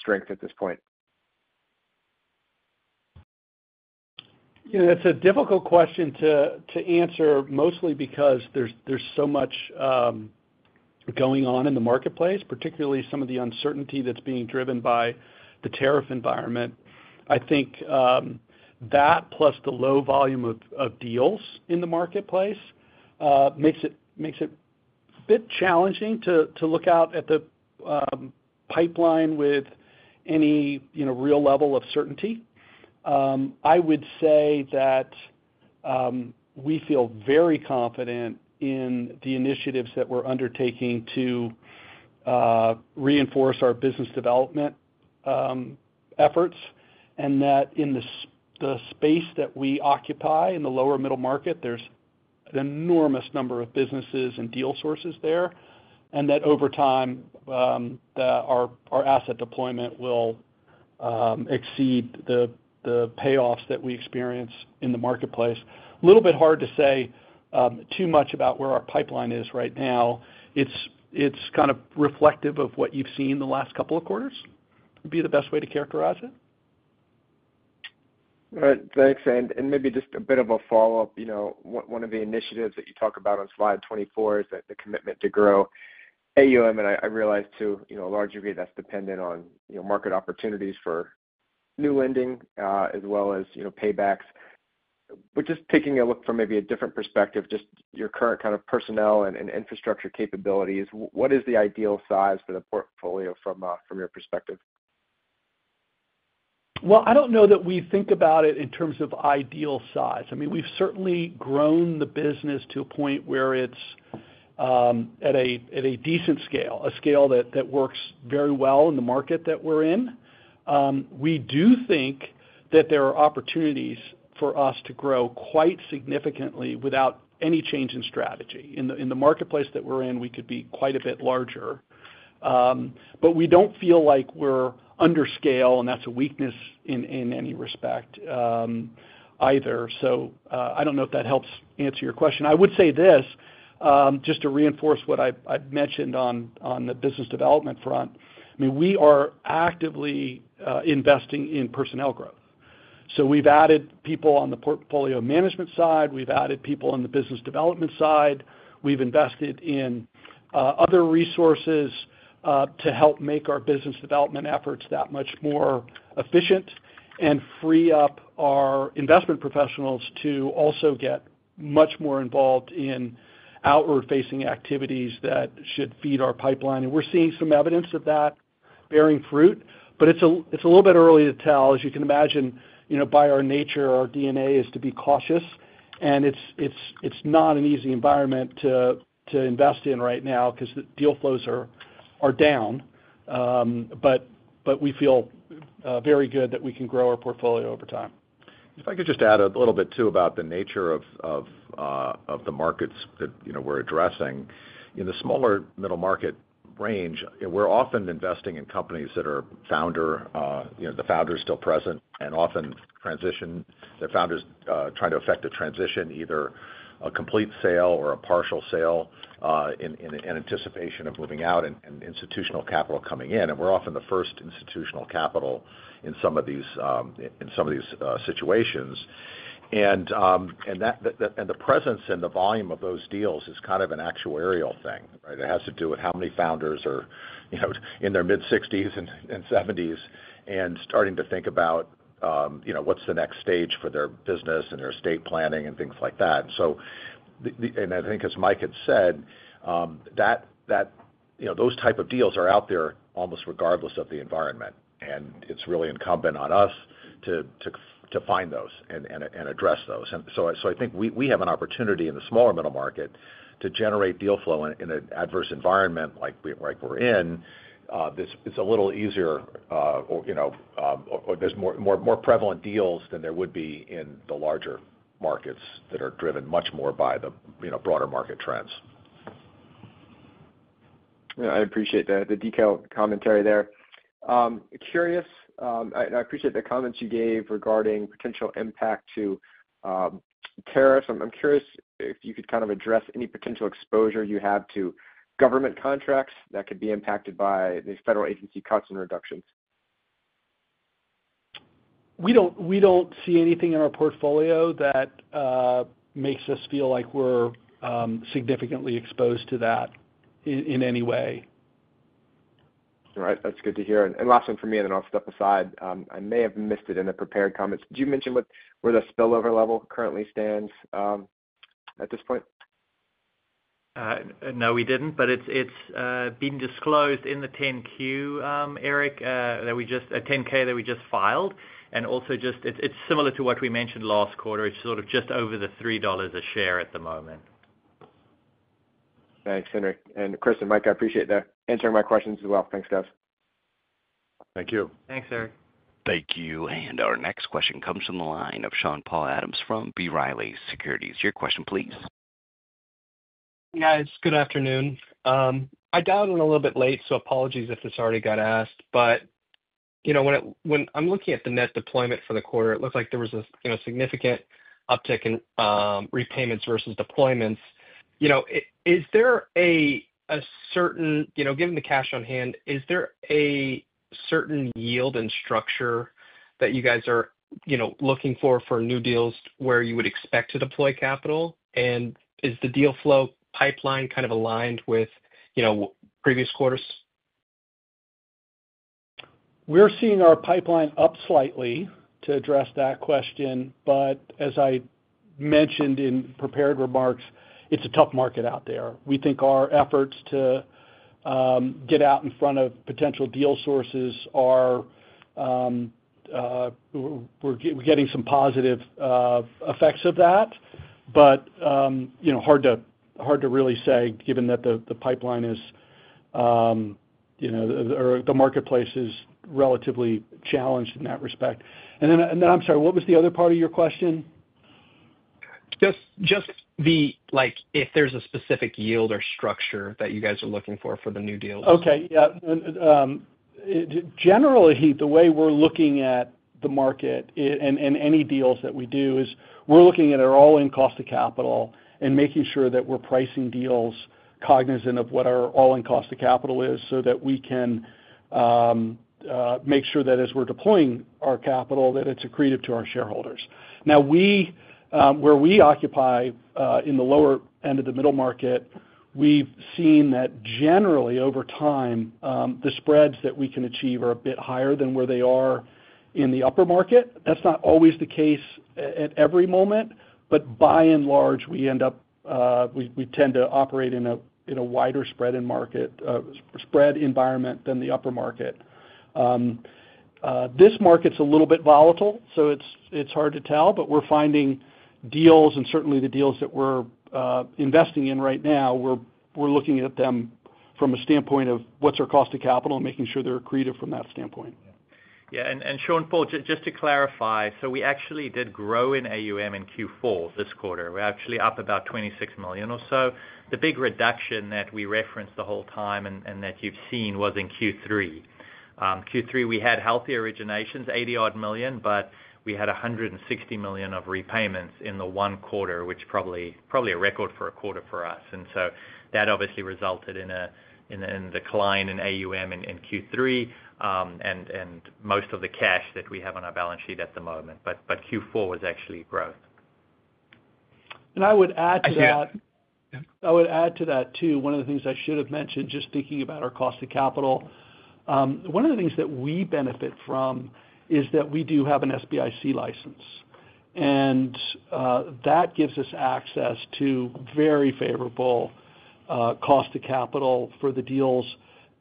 strength at this point. It's a difficult question to answer, mostly because there's so much going on in the marketplace, particularly some of the uncertainty that's being driven by the tariff environment. I think that, plus the low volume of deals in the marketplace, makes it a bit challenging to look out at the pipeline with any real level of certainty. I would say that we feel very confident in the initiatives that we're undertaking to reinforce our business development efforts and that in the space that we occupy in the lower middle market, there's an enormous number of businesses and deal sources there, and that over time, our asset deployment will exceed the payoffs that we experience in the marketplace. A little bit hard to say too much about where our pipeline is right now. It's kind of reflective of what you've seen the last couple of quarters would be the best way to characterize it. All right. Thanks. Maybe just a bit of a follow-up. One of the initiatives that you talk about on Slide 24 is the commitment to grow AUM, and I realize to a large degree that's dependent on market opportunities for new lending as well as paybacks. Just taking a look from maybe a different perspective, just your current kind of personnel and infrastructure capabilities, what is the ideal size for the portfolio from your perspective? I don't know that we think about it in terms of ideal size. I mean, we've certainly grown the business to a point where it's at a decent scale, a scale that works very well in the market that we're in. We do think that there are opportunities for us to grow quite significantly without any change in strategy. In the marketplace that we're in, we could be quite a bit larger, but we don't feel like we're underscale, and that's a weakness in any respect either. I don't know if that helps answer your question. I would say this, just to reinforce what I mentioned on the business development front. I mean, we are actively investing in personnel growth. So we've added people on the portfolio management side. We've added people on the business development side. We've invested in other resources to help make our business development efforts that much more efficient and free up our investment professionals to also get much more involved in outward-facing activities that should feed our pipeline. And we're seeing some evidence of that bearing fruit, but it's a little bit early to tell. As you can imagine, by our nature, our DNA is to be cautious, and it's not an easy environment to invest in right now because the deal flows are down, but we feel very good that we can grow our portfolio over time. If I could just add a little bit too about the nature of the markets that we're addressing. In the smaller middle market range, we're often investing in companies that are founder, the founder is still present and often transition. The founder's trying to effect a transition, either a complete sale or a partial sale in anticipation of moving out and institutional capital coming in. We're often the first institutional capital in some of these situations. The presence and the volume of those deals is kind of an actuarial thing, right? It has to do with how many founders are in their mid-60s and 70s and starting to think about what's the next stage for their business and their estate planning and things like that. I think, as Mike had said, those type of deals are out there almost regardless of the environment, and it's really incumbent on us to find those and address those. I think we have an opportunity in the smaller middle market to generate deal flow in an adverse environment like we're in. It's a little easier, or there are more prevalent deals than there would be in the larger markets that are driven much more by the broader market trends. I appreciate the detailed commentary there. Curious, I appreciate the comments you gave regarding potential impact to tariffs. I'm curious if you could kind of address any potential exposure you have to government contracts that could be impacted by the federal agency cuts and reductions. We don't see anything in our portfolio that makes us feel like we're significantly exposed to that in any way. All right. That's good to hear. Last one for me, and then I'll step aside. I may have missed it in the prepared comments. Did you mention where the spillover level currently stands at this point? No, we did not, but it is being disclosed in the 10Q, Eric, that we just 10K that we just filed. It is also just similar to what we mentioned last quarter. It is sort of just over the $3 a share at the moment. Thanks, Henry. And Chris and Mike, I appreciate answering my questions as well. Thanks, guys. Thank you. Thanks, Eric. Thank you. Our next question comes from the line of Sean Paul Adams from B. Riley Securities. Your question, please. Hey, guys. Good afternoon. I dialed in a little bit late, so apologies if this already got asked, but when I am looking at the net deployment for the quarter, it looks like there was a significant uptick in repayments versus deployments. Is there a certain, given the cash on hand, is there a certain yield and structure that you guys are looking for for new deals where you would expect to deploy capital? Is the deal flow pipeline kind of aligned with previous quarters? We're seeing our pipeline up slightly to address that question, but as I mentioned in prepared remarks, it's a tough market out there. We think our efforts to get out in front of potential deal sources are, we're getting some positive effects of that, but hard to really say given that the pipeline is, or the marketplace is, relatively challenged in that respect. I'm sorry, what was the other part of your question? Just if there's a specific yield or structure that you guys are looking for for the new deals. Okay. Yeah. Generally, the way we're looking at the market and any deals that we do is we're looking at our all-in cost of capital and making sure that we're pricing deals cognizant of what our all-in cost of capital is so that we can make sure that as we're deploying our capital, that it's accretive to our shareholders. Now, where we occupy in the lower end of the middle market, we've seen that generally over time, the spreads that we can achieve are a bit higher than where they are in the upper market. That's not always the case at every moment, but by and large, we tend to operate in a wider spread environment than the upper market. This market's a little bit volatile, so it's hard to tell, but we're finding deals, and certainly the deals that we're investing in right now, we're looking at them from a standpoint of what's our cost of capital and making sure they're accretive from that standpoint. Yeah. And Sean Paul, just to clarify, so we actually did grow in AUM in Q4 this quarter. We're actually up about $26 million or so. The big reduction that we referenced the whole time and that you've seen was in Q3. Q3, we had healthy originations, $80-odd million, but we had $160 million of repayments in the one quarter, which is probably a record for a quarter for us. And so that obviously resulted in a decline in AUM in Q3 and most of the cash that we have on our balance sheet at the moment. But Q4 was actually growth. I would add to that too. One of the things I should have mentioned, just thinking about our cost of capital, one of the things that we benefit from is that we do have an SBIC license, and that gives us access to very favorable cost of capital for the deals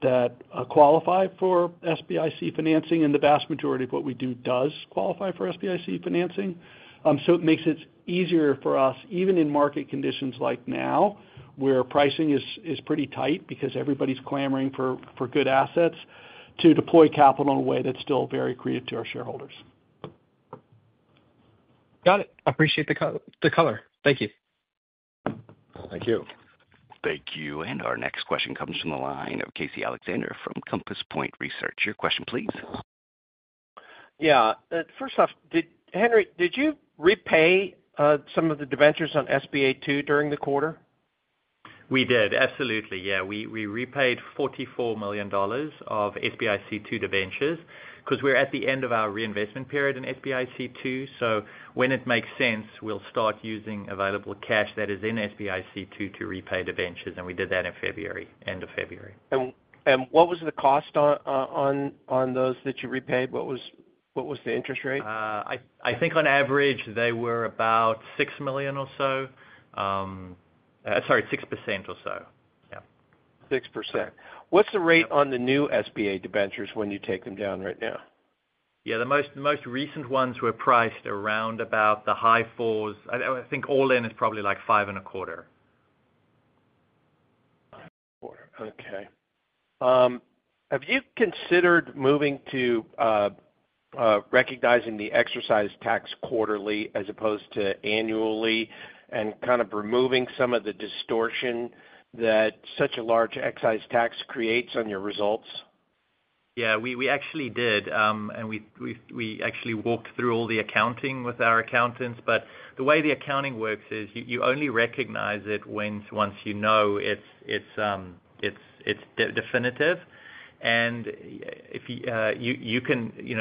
that qualify for SBIC financing. The vast majority of what we do does qualify for SBIC financing. It makes it easier for us, even in market conditions like now, where pricing is pretty tight because everybody's clamoring for good assets, to deploy capital in a way that's still very accretive to our shareholders. Got it. I appreciate the color. Thank you. Thank you. Thank you. Our next question comes from the line of Casey Alexander from Compass Point Research. Your question, please. Yeah. First off, Henry, did you repay some of the debentures on SBIC II during the quarter? We did. Absolutely. Yeah. We repaid $44 million of SBIC II debentures because we're at the end of our reinvestment period in SBIC II. When it makes sense, we'll start using available cash that is in SBIC II to repay debentures. We did that at end of February. What was the cost on those that you repaid? What was the interest rate? I think on average, they were about 6% or so. Sorry, 6% or so. Yeah. 6%. What's the rate on the new SBIC debentures when you take them down right now? Yeah. The most recent ones were priced around about the high fours. I think all-in is probably like 5.25%. 5.25%. Okay. Have you considered moving to recognizing the excise tax quarterly as opposed to annually and kind of removing some of the distortion that such a large excise tax creates on your results? Yeah. We actually did, and we actually walked through all the accounting with our accountants. The way the accounting works is you only recognize it once you know it's definitive. You can,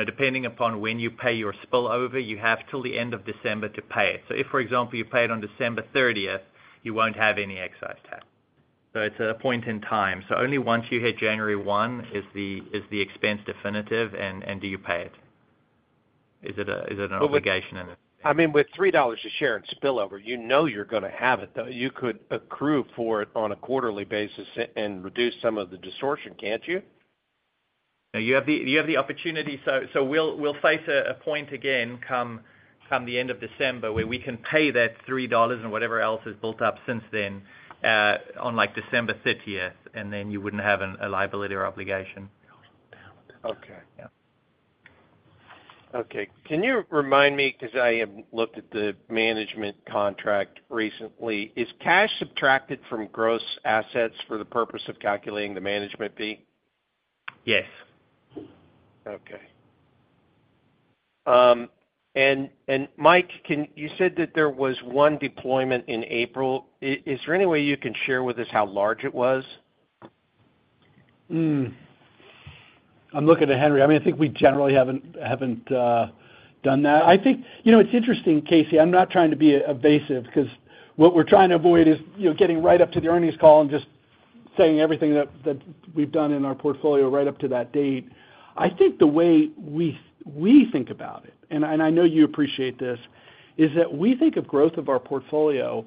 depending upon when you pay your spillover, you have till the end of December to pay it. If, for example, you pay it on December 30th, you won't have any excise tax. It's a point in time. Only once you hit January 1 is the expense definitive, and do you pay it? Is it an obligation? I mean, with $3 a share in spillover, you know you're going to have it, though. You could accrue for it on a quarterly basis and reduce some of the distortion, can't you? You have the opportunity. So we'll face a point again come the end of December where we can pay that $3 and whatever else has built up since then on December 30th, and then you wouldn't have a liability or obligation. Okay. Okay. Can you remind me because I looked at the management contract recently? Is cash subtracted from gross assets for the purpose of calculating the management fee? Yes. Okay. And Mike, you said that there was one deployment in April. Is there any way you can share with us how large it was? I'm looking at Henry. I mean, I think we generally haven't done that. I think it's interesting, Casey. I'm not trying to be evasive because what we're trying to avoid is getting right up to the earnings call and just saying everything that we've done in our portfolio right up to that date. I think the way we think about it, and I know you appreciate this, is that we think of growth of our portfolio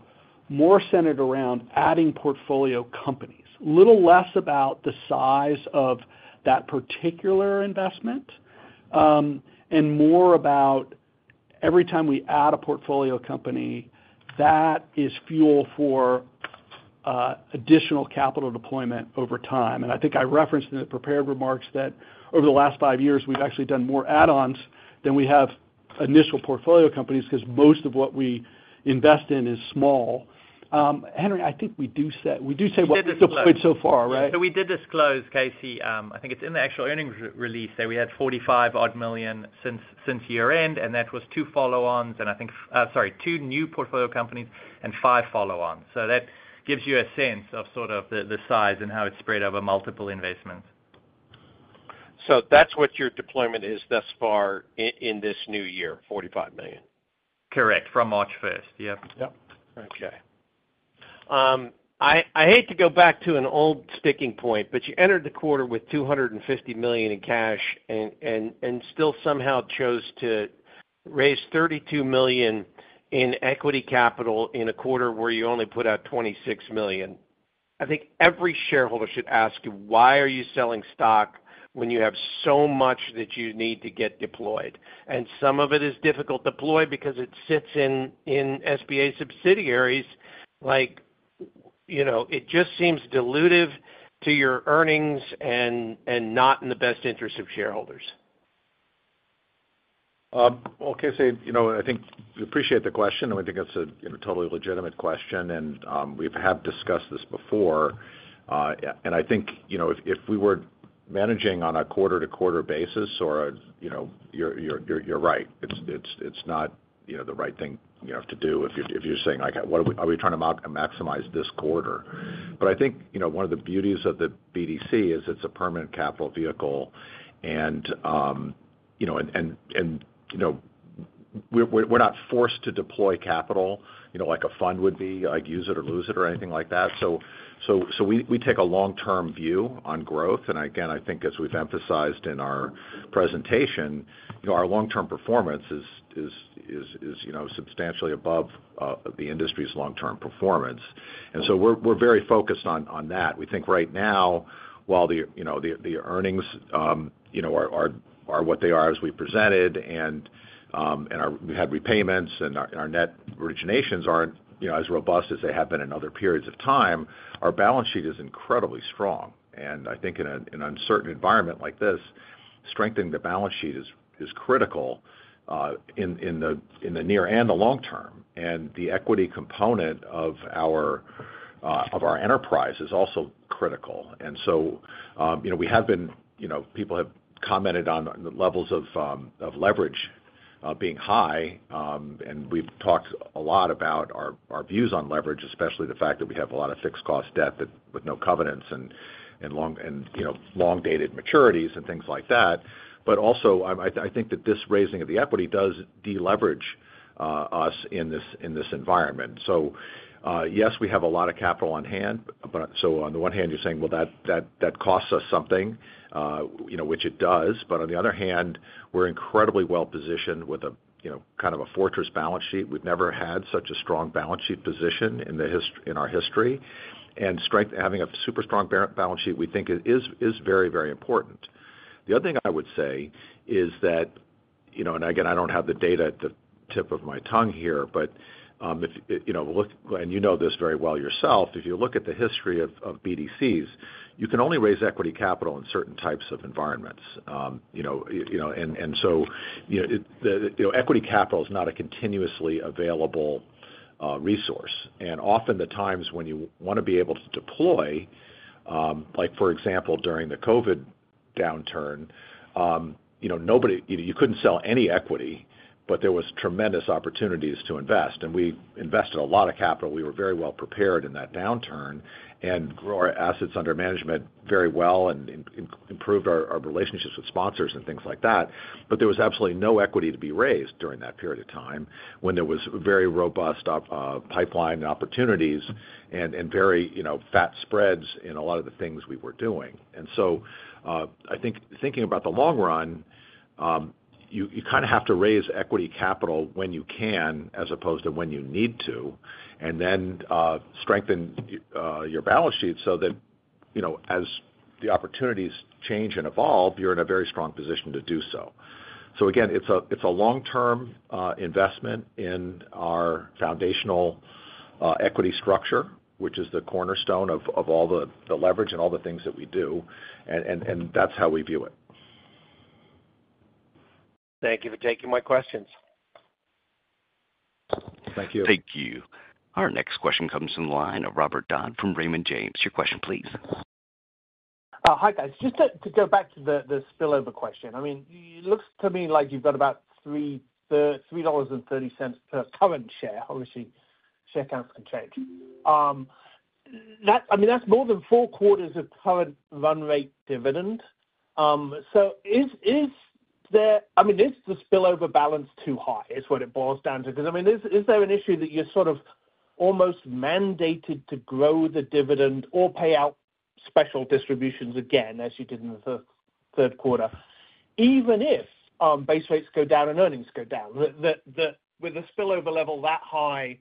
more centered around adding portfolio companies, a little less about the size of that particular investment and more about every time we add a portfolio company, that is fuel for additional capital deployment over time. I think I referenced in the prepared remarks that over the last five years, we've actually done more add-ons than we have initial portfolio companies because most of what we invest in is small. Henry, I think we do say what we've deployed so far, right? We did disclose, Casey, I think it's in the actual earnings release that we had $45 million-odd since year-end, and that was two follow-ons, and I think, sorry, two new portfolio companies and five follow-ons. That gives you a sense of the size and how it's spread over multiple investments. That's what your deployment is thus far in this new year, $45 million? Correct. From March 1st. Yep. Yep. Okay. I hate to go back to an old sticking point, but you entered the quarter with $250 million in cash and still somehow chose to raise $32 million in equity capital in a quarter where you only put out $26 million. I think every shareholder should ask you, "Why are you selling stock when you have so much that you need to get deployed?" And some of it is difficult to deploy because it sits in SBA subsidiaries. It just seems dilutive to your earnings and not in the best interest of shareholders. Casey, I think we appreciate the question, and we think it's a totally legitimate question, and we have discussed this before. I think if we were managing on a quarter-to-quarter basis, or you're right, it's not the right thing you have to do if you're saying, "Are we trying to maximize this quarter?" I think one of the beauties of the BDC is it's a permanent capital vehicle, and we're not forced to deploy capital like a fund would be, like use it or lose it or anything like that. We take a long-term view on growth. Again, I think as we have emphasized in our presentation, our long-term performance is substantially above the industry's long-term performance. We are very focused on that. We think right now, while the earnings are what they are as we presented and we had repayments and our net originations are not as robust as they have been in other periods of time, our balance sheet is incredibly strong. I think in an uncertain environment like this, strengthening the balance sheet is critical in the near and the long term. The equity component of our enterprise is also critical. We have been, people have commented on the levels of leverage being high, and we've talked a lot about our views on leverage, especially the fact that we have a lot of fixed-cost debt with no covenants and long-dated maturities and things like that. Also, I think that this raising of the equity does deleverage us in this environment. Yes, we have a lot of capital on hand. On the one hand, you're saying, "Well, that costs us something," which it does. On the other hand, we're incredibly well-positioned with a kind of a fortress balance sheet. We've never had such a strong balance sheet position in our history. Having a super strong balance sheet, we think, is very, very important. The other thing I would say is that, and again, I do not have the data at the tip of my tongue here, but if you look, and you know this very well yourself, if you look at the history of BDCs, you can only raise equity capital in certain types of environments. Equity capital is not a continuously available resource. Often, the times when you want to be able to deploy, like for example, during the COVID downturn, you could not sell any equity, but there were tremendous opportunities to invest. We invested a lot of capital. We were very well-prepared in that downturn and grew our assets under management very well and improved our relationships with sponsors and things like that. There was absolutely no equity to be raised during that period of time when there was very robust pipeline opportunities and very fat spreads in a lot of the things we were doing. I think thinking about the long run, you kind of have to raise equity capital when you can as opposed to when you need to, and then strengthen your balance sheet so that as the opportunities change and evolve, you're in a very strong position to do so. Again, it's a long-term investment in our foundational equity structure, which is the cornerstone of all the leverage and all the things that we do. That's how we view it. Thank you for taking my questions. Thank you. Thank you. Our next question comes from the line of Robert Dodd from Raymond James. Your question, please. Hi, guys. Just to go back to the spillover question, I mean, it looks to me like you've got about $3.30 per current share. Obviously, share counts can change. I mean, that's more than four quarters of current run rate dividend. So I mean, is the spillover balance too high? Is what it boils down to. Because I mean, is there an issue that you're sort of almost mandated to grow the dividend or pay out special distributions again as you did in the third quarter, even if base rates go down and earnings go down? With a spillover level that high,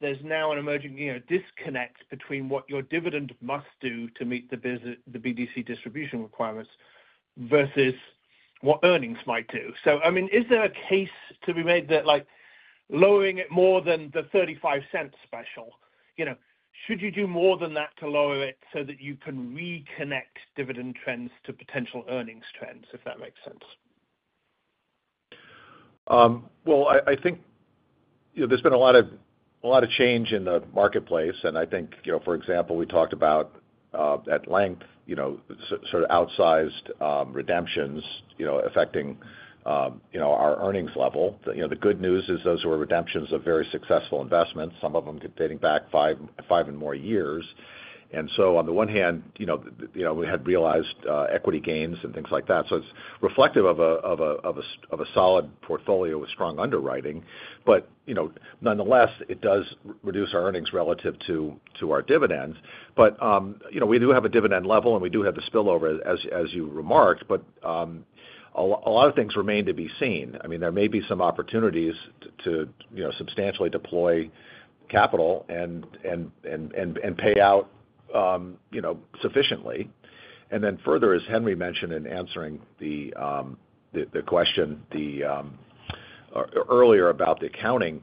there's now an emerging disconnect between what your dividend must do to meet the BDC distribution requirements versus what earnings might do. So I mean, is there a case to be made that lowering it more than the $0.35 special? Should you do more than that to lower it so that you can reconnect dividend trends to potential earnings trends, if that makes sense? I think there's been a lot of change in the marketplace. I think, for example, we talked about at length sort of outsized redemptions affecting our earnings level. The good news is those were redemptions of very successful investments, some of them dating back five and more years. On the one hand, we had realized equity gains and things like that. It is reflective of a solid portfolio with strong underwriting. Nonetheless, it does reduce our earnings relative to our dividends. We do have a dividend level, and we do have the spillover, as you remarked. A lot of things remain to be seen. I mean, there may be some opportunities to substantially deploy capital and pay out sufficiently. Further, as Henry mentioned in answering the question earlier about the accounting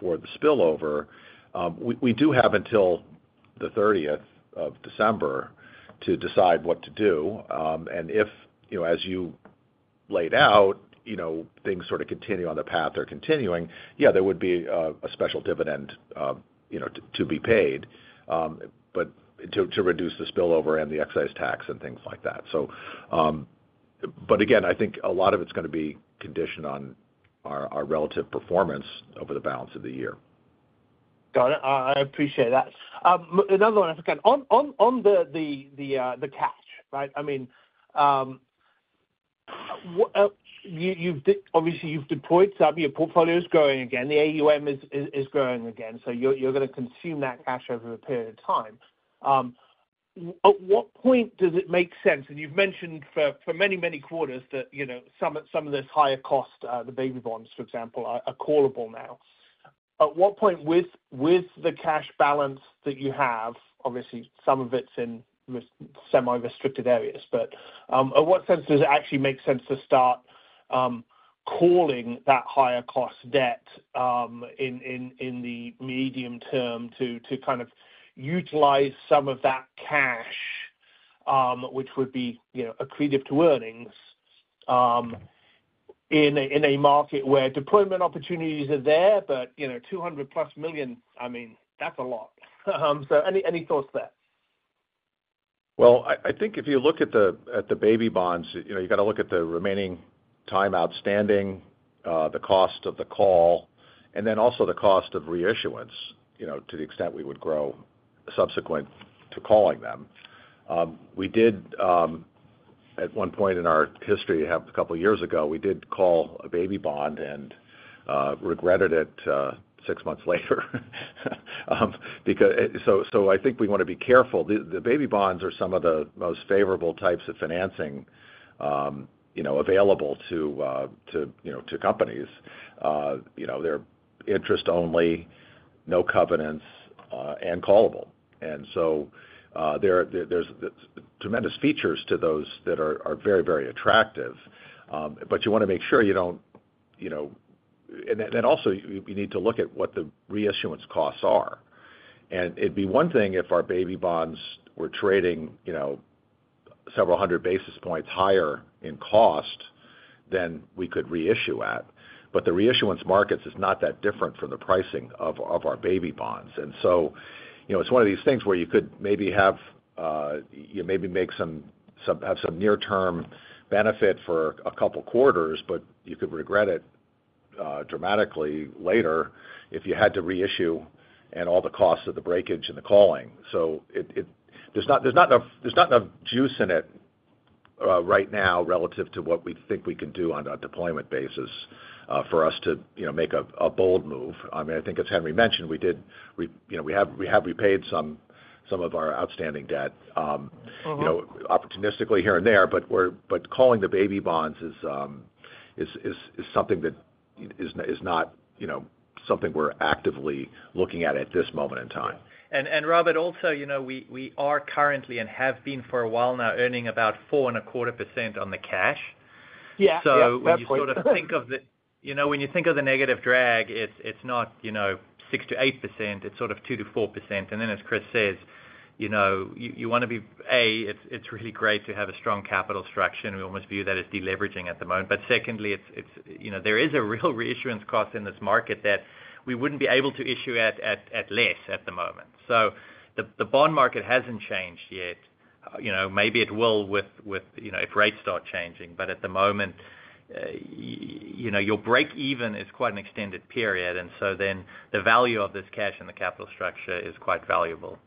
for the spillover, we do have until the 30th of December to decide what to do. If, as you laid out, things sort of continue on the path they're continuing, yeah, there would be a special dividend to be paid to reduce the spillover and the excise tax and things like that. Again, I think a lot of it's going to be conditioned on our relative performance over the balance of the year. Got it. I appreciate that. Another one I forgot. On the cash, right? I mean, obviously, you've deployed some of your portfolio is growing again. The AUM is growing again. You're going to consume that cash over a period of time. At what point does it make sense? You've mentioned for many, many quarters that some of this higher cost, the baby bonds, for example, are callable now. At what point with the cash balance that you have, obviously, some of it's in semi-restricted areas, but at what sense does it actually make sense to start calling that higher cost debt in the medium term to kind of utilize some of that cash, which would be accretive to earnings, in a market where deployment opportunities are there, but $200 million-plus, I mean, that's a lot. Any thoughts there? I think if you look at the baby bonds, you've got to look at the remaining time outstanding, the cost of the call, and then also the cost of reissuance to the extent we would grow subsequent to calling them. We did, at one point in our history, a couple of years ago, we did call a baby bond and regretted it six months later. I think we want to be careful. The baby bonds are some of the most favorable types of financing available to companies. They are interest-only, no covenants, and callable. There are tremendous features to those that are very, very attractive. You want to make sure you do not, and then also, you need to look at what the reissuance costs are. It would be one thing if our baby bonds were trading several hundred basis points higher in cost than we could reissue at. The reissuance markets is not that different from the pricing of our baby bonds. It is one of these things where you could maybe have some near-term benefit for a couple of quarters, but you could regret it dramatically later if you had to reissue and all the costs of the breakage and the calling. There is not enough juice in it right now relative to what we think we can do on a deployment basis for us to make a bold move. I mean, I think as Henry mentioned, we have repaid some of our outstanding debt opportunistically here and there, but calling the baby bonds is something that is not something we are actively looking at at this moment in time. Robert, also, we are currently and have been for a while now earning about 4.25% on the cash. We sort of think of the, when you think of the negative drag, it is not 6%-8%. It's sort of 2%-4%. And then as Chris says, you want to be A, it's really great to have a strong capital structure. We almost view that as deleveraging at the moment. But secondly, there is a real reissuance cost in this market that we wouldn't be able to issue at less at the moment. The bond market hasn't changed yet. Maybe it will if rates start changing. At the moment, your break-even is quite an extended period. The value of this cash and the capital structure is quite valuable.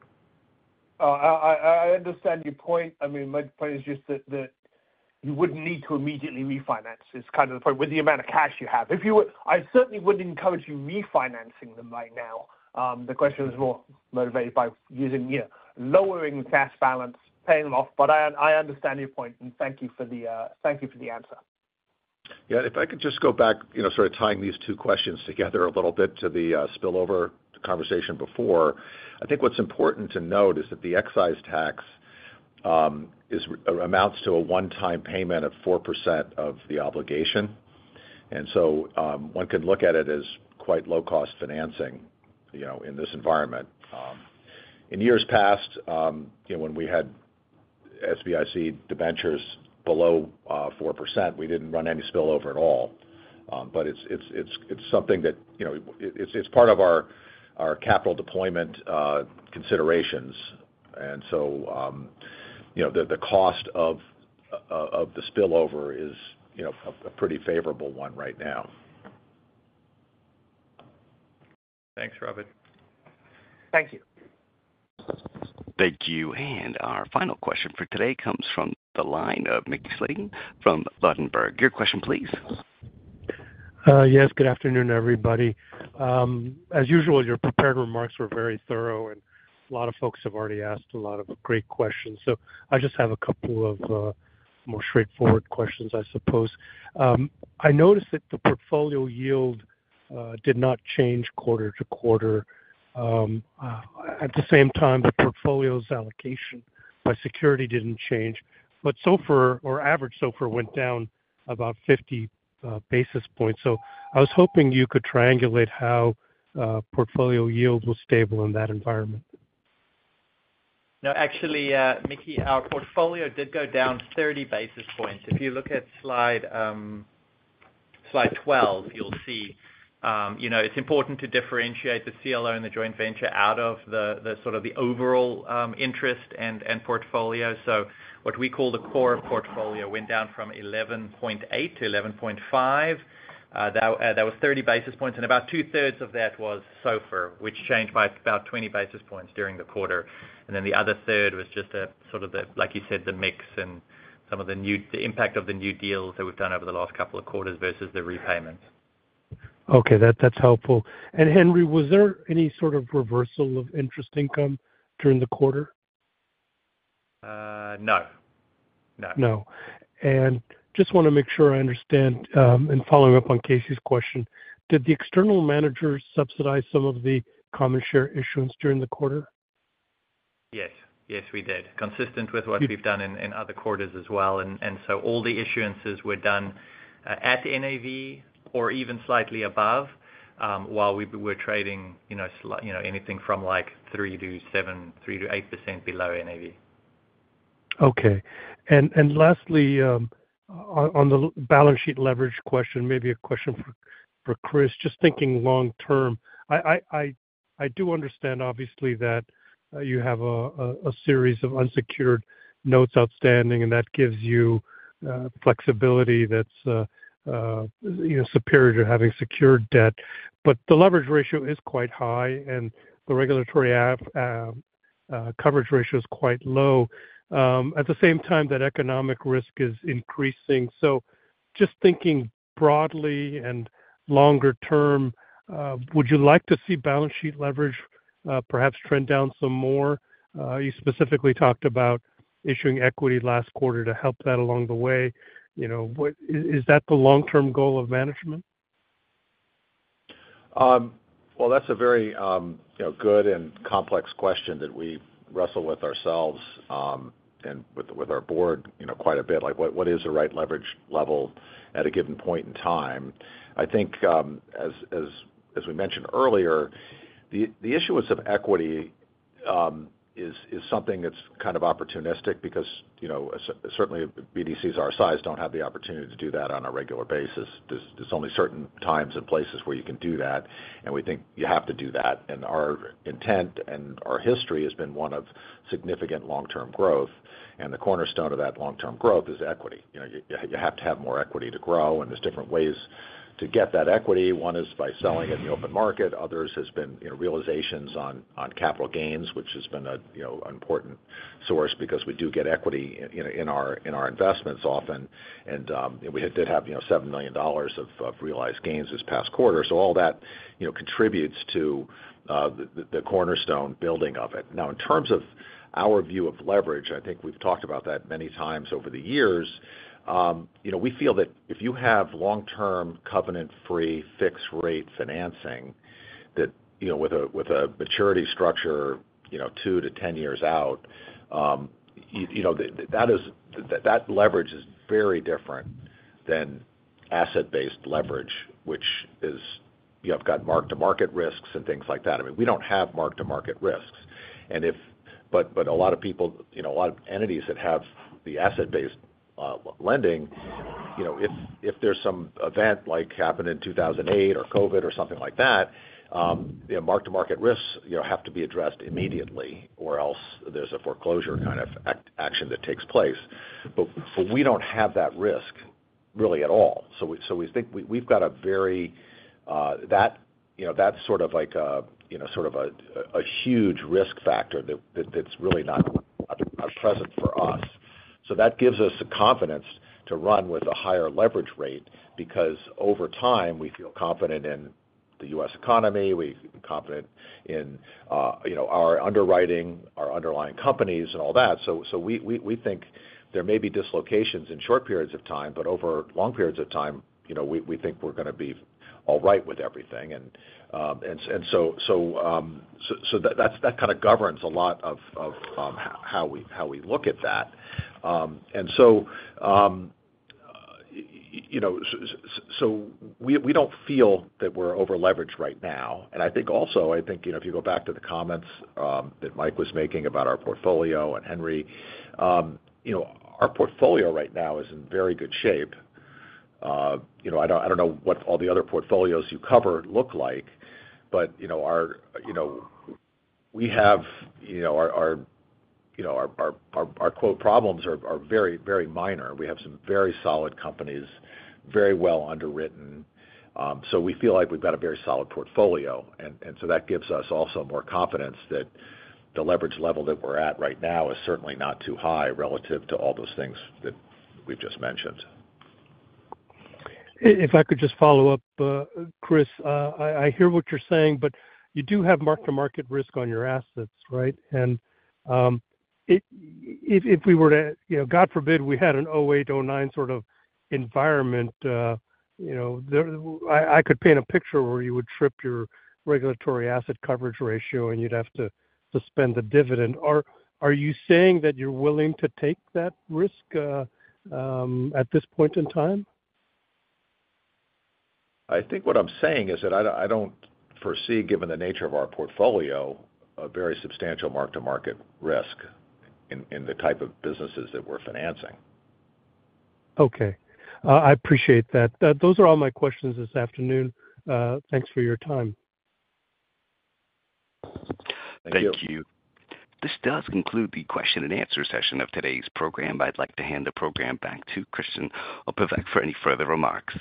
I understand your point. I mean, my point is just that you wouldn't need to immediately refinance. It's kind of the point with the amount of cash you have. I certainly wouldn't encourage you refinancing them right now. The question was more motivated by using lowering the cash balance, paying them off. I understand your point, and thank you for the answer. Yeah. If I could just go back, sort of tying these two questions together a little bit to the spillover conversation before, I think what's important to note is that the excise tax amounts to a one-time payment of 4% of the obligation. One can look at it as quite low-cost financing in this environment. In years past, when we had SBIC ventures below 4%, we didn't run any spillover at all. It's something that is part of our capital deployment considerations. The cost of the spillover is a pretty favorable one right now. Thanks, Robert. Thank you. Thank you. Our final question for today comes from the line of Mickey Schleien from Ladenburg. Your question, please. Yes. Good afternoon, everybody. As usual, your prepared remarks were very thorough, and a lot of folks have already asked a lot of great questions. I just have a couple of more straightforward questions, I suppose. I noticed that the portfolio yield did not change quarter to quarter. At the same time, the portfolio's allocation by security did not change. So far, or average so far, went down about 50 basis points. I was hoping you could triangulate how portfolio yield was stable in that environment. No, actually, Mickey, our portfolio did go down 30 basis points. If you look at slide 12, you will see it is important to differentiate the CLO and the joint venture out of sort of the overall interest and portfolio. What we call the core portfolio went down from 11.8% to 11.5%. That was 30 basis points, and about two-thirds of that was SAR, which changed by about 20 basis points during the quarter. The other third was just sort of, like you said, the mix and some of the impact of the new deals that we have done over the last couple of quarters versus the repayments. Okay. That is helpful. Henry, was there any sort of reversal of interest income during the quarter? No. No. No. I just want to make sure I understand, and following up on Casey's question, did the external manager subsidize some of the common share issuance during the quarter? Yes. Yes, we did. Consistent with what we have done in other quarters as well. All the issuances were done at NAV or even slightly above while we were trading anything from 3%-7%, 3%-8% below NAV. Okay. Lastly, on the balance sheet leverage question, maybe a question for Chris, just thinking long term, I do understand, obviously, that you have a series of unsecured notes outstanding, and that gives you flexibility that's superior to having secured debt. The leverage ratio is quite high, and the regulatory coverage ratio is quite low. At the same time, that economic risk is increasing. Just thinking broadly and longer term, would you like to see balance sheet leverage perhaps trend down some more? You specifically talked about issuing equity last quarter to help that along the way. Is that the long-term goal of management? That is a very good and complex question that we wrestle with ourselves and with our board quite a bit. What is the right leverage level at a given point in time? I think, as we mentioned earlier, the issuance of equity is something that's kind of opportunistic because certainly BDCs our size don't have the opportunity to do that on a regular basis. There's only certain times and places where you can do that, and we think you have to do that. Our intent and our history has been one of significant long-term growth. The cornerstone of that long-term growth is equity. You have to have more equity to grow, and there's different ways to get that equity. One is by selling it in the open market. Others have been realizations on capital gains, which has been an important source because we do get equity in our investments often. We did have $7 million of realized gains this past quarter. All that contributes to the cornerstone building of it. Now, in terms of our view of leverage, I think we've talked about that many times over the years. We feel that if you have long-term covenant-free fixed-rate financing with a maturity structure 2-10 years out, that leverage is very different than asset-based leverage, which has got mark-to-market risks and things like that. I mean, we don't have mark-to-market risks. A lot of people, a lot of entities that have the asset-based lending, if there's some event like happened in 2008 or COVID or something like that, mark-to-market risks have to be addressed immediately or else there's a foreclosure kind of action that takes place. We don't have that risk really at all. We think we've got a very, that's sort of like a sort of a huge risk factor that's really not present for us. That gives us the confidence to run with a higher leverage rate because over time, we feel confident in the U.S. economy. We're confident in our underwriting, our underlying companies, and all that. We think there may be dislocations in short periods of time, but over long periods of time, we think we're going to be all right with everything. That kind of governs a lot of how we look at that. We don't feel that we're over-leveraged right now. I think also, if you go back to the comments that Mike was making about our portfolio and Henry, our portfolio right now is in very good shape. I don't know what all the other portfolios you cover look like, but we have our quote problems are very, very minor. We have some very solid companies, very well underwritten. We feel like we've got a very solid portfolio. That gives us also more confidence that the leverage level that we're at right now is certainly not too high relative to all those things that we've just mentioned. If I could just follow up, Chris, I hear what you're saying, but you do have mark-to-market risk on your assets, right? If we were to, God forbid, we had an 2008, 2009 sort of environment, I could paint a picture where you would trip your regulatory asset coverage ratio, and you'd have to suspend the dividend. Are you saying that you're willing to take that risk at this point in time? I think what I'm saying is that I don't foresee, given the nature of our portfolio, a very substantial mark-to-market risk in the type of businesses that we're financing. Okay. I appreciate that. Those are all my questions this afternoon. Thanks for your time. Thank you. This does conclude the question and answer session of today's program. I'd like to hand the program back to Christian Oberbeck for any further remarks.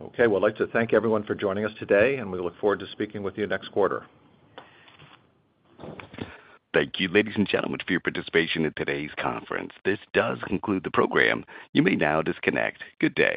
Okay. I'd like to thank everyone for joining us today, and we look forward to speaking with you next quarter. Thank you, ladies and gentlemen, for your participation in today's conference. This does conclude the program. You may now disconnect. Good day.